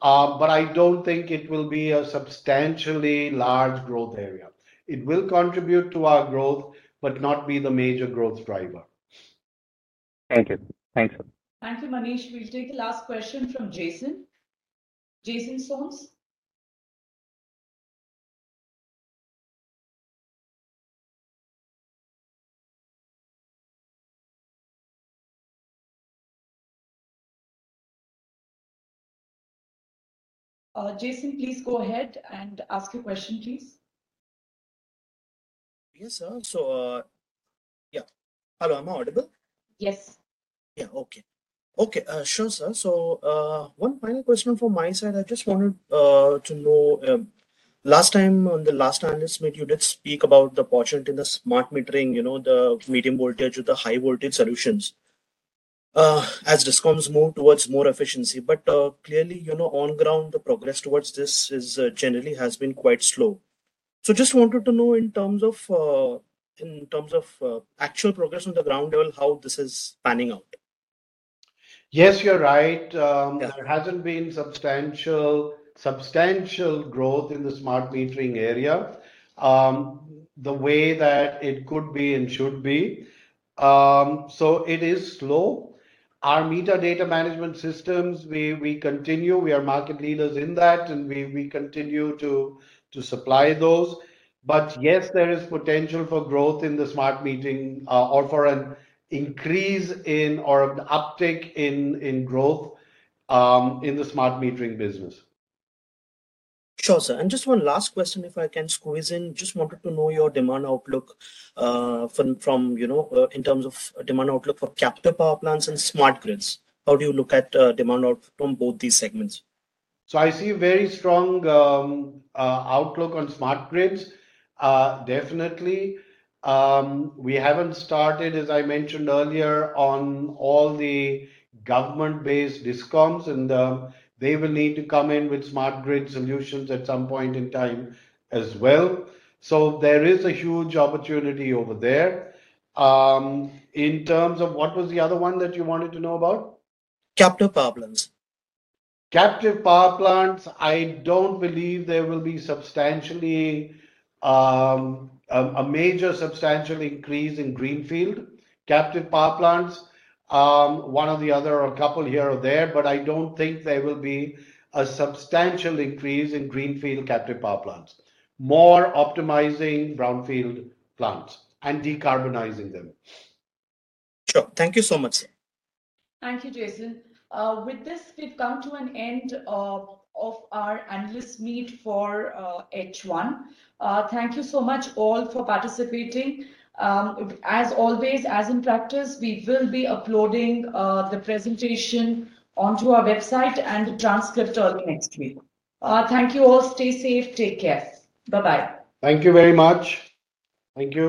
but I don't think it will be a substantially large growth area. It will contribute to our growth, but not be the major growth driver. Thank you. Thanks. Thank you, Manish. We'll take the last question from Jason. Jason Soans. Jason, please go ahead and ask your question, please. Yes, sir. So yeah. Hello. Am I audible? Yes. Sure, sir. So one final question from my side. I just wanted to know, last time on the last analyst meet, you did speak about the portion in the Smart Metering, the medium-voltage or the high-voltage solutions as DISCOMs move towards more efficiency. But clearly, on ground, the progress towards this generally has been quite slow. So just wanted to know in terms of actual progress on the ground level, how this is panning out. Yes, you're right. There hasn't been substantial growth in the Smart Metering area the way that it could be and should be. So it is slow. Our meter data management systems, we continue. We are market leaders in that, and we continue to supply those. But yes, there is potential for growth in the Smart Metering or for an increase in or an uptick in growth in the Smart Metering business. Sure, sir. And just one last question, if I can squeeze in. Just wanted to know your demand outlook in terms of demand outlook for captive power plants and smart grids. How do you look at demand outlook from both these segments? So I see a very strong outlook on smart grids, definitely. We haven't started, as I mentioned earlier, on all the government-based DISCOMs, and they will need to come in with smart grid solutions at some point in time as well. So there is a huge opportunity over there. In terms of what was the other one that you wanted to know about? Captive power plants. Captive power plants, I don't believe there will be a major substantial increase in greenfield captive power plants. One or the other or a couple here or there, but I don't think there will be a substantial increase in greenfield captive power plants. More optimizing brownfield plants and decarbonizing them. Sure. Thank you so much, sir. Thank you, Jason. With this, we've come to an end of our analyst meet for H1. Thank you so much all for participating. As always, as in practice, we will be uploading the presentation onto our website and the transcript early next week. Thank you all. Stay safe. Take care. Bye-bye. Thank you very much. Thank you.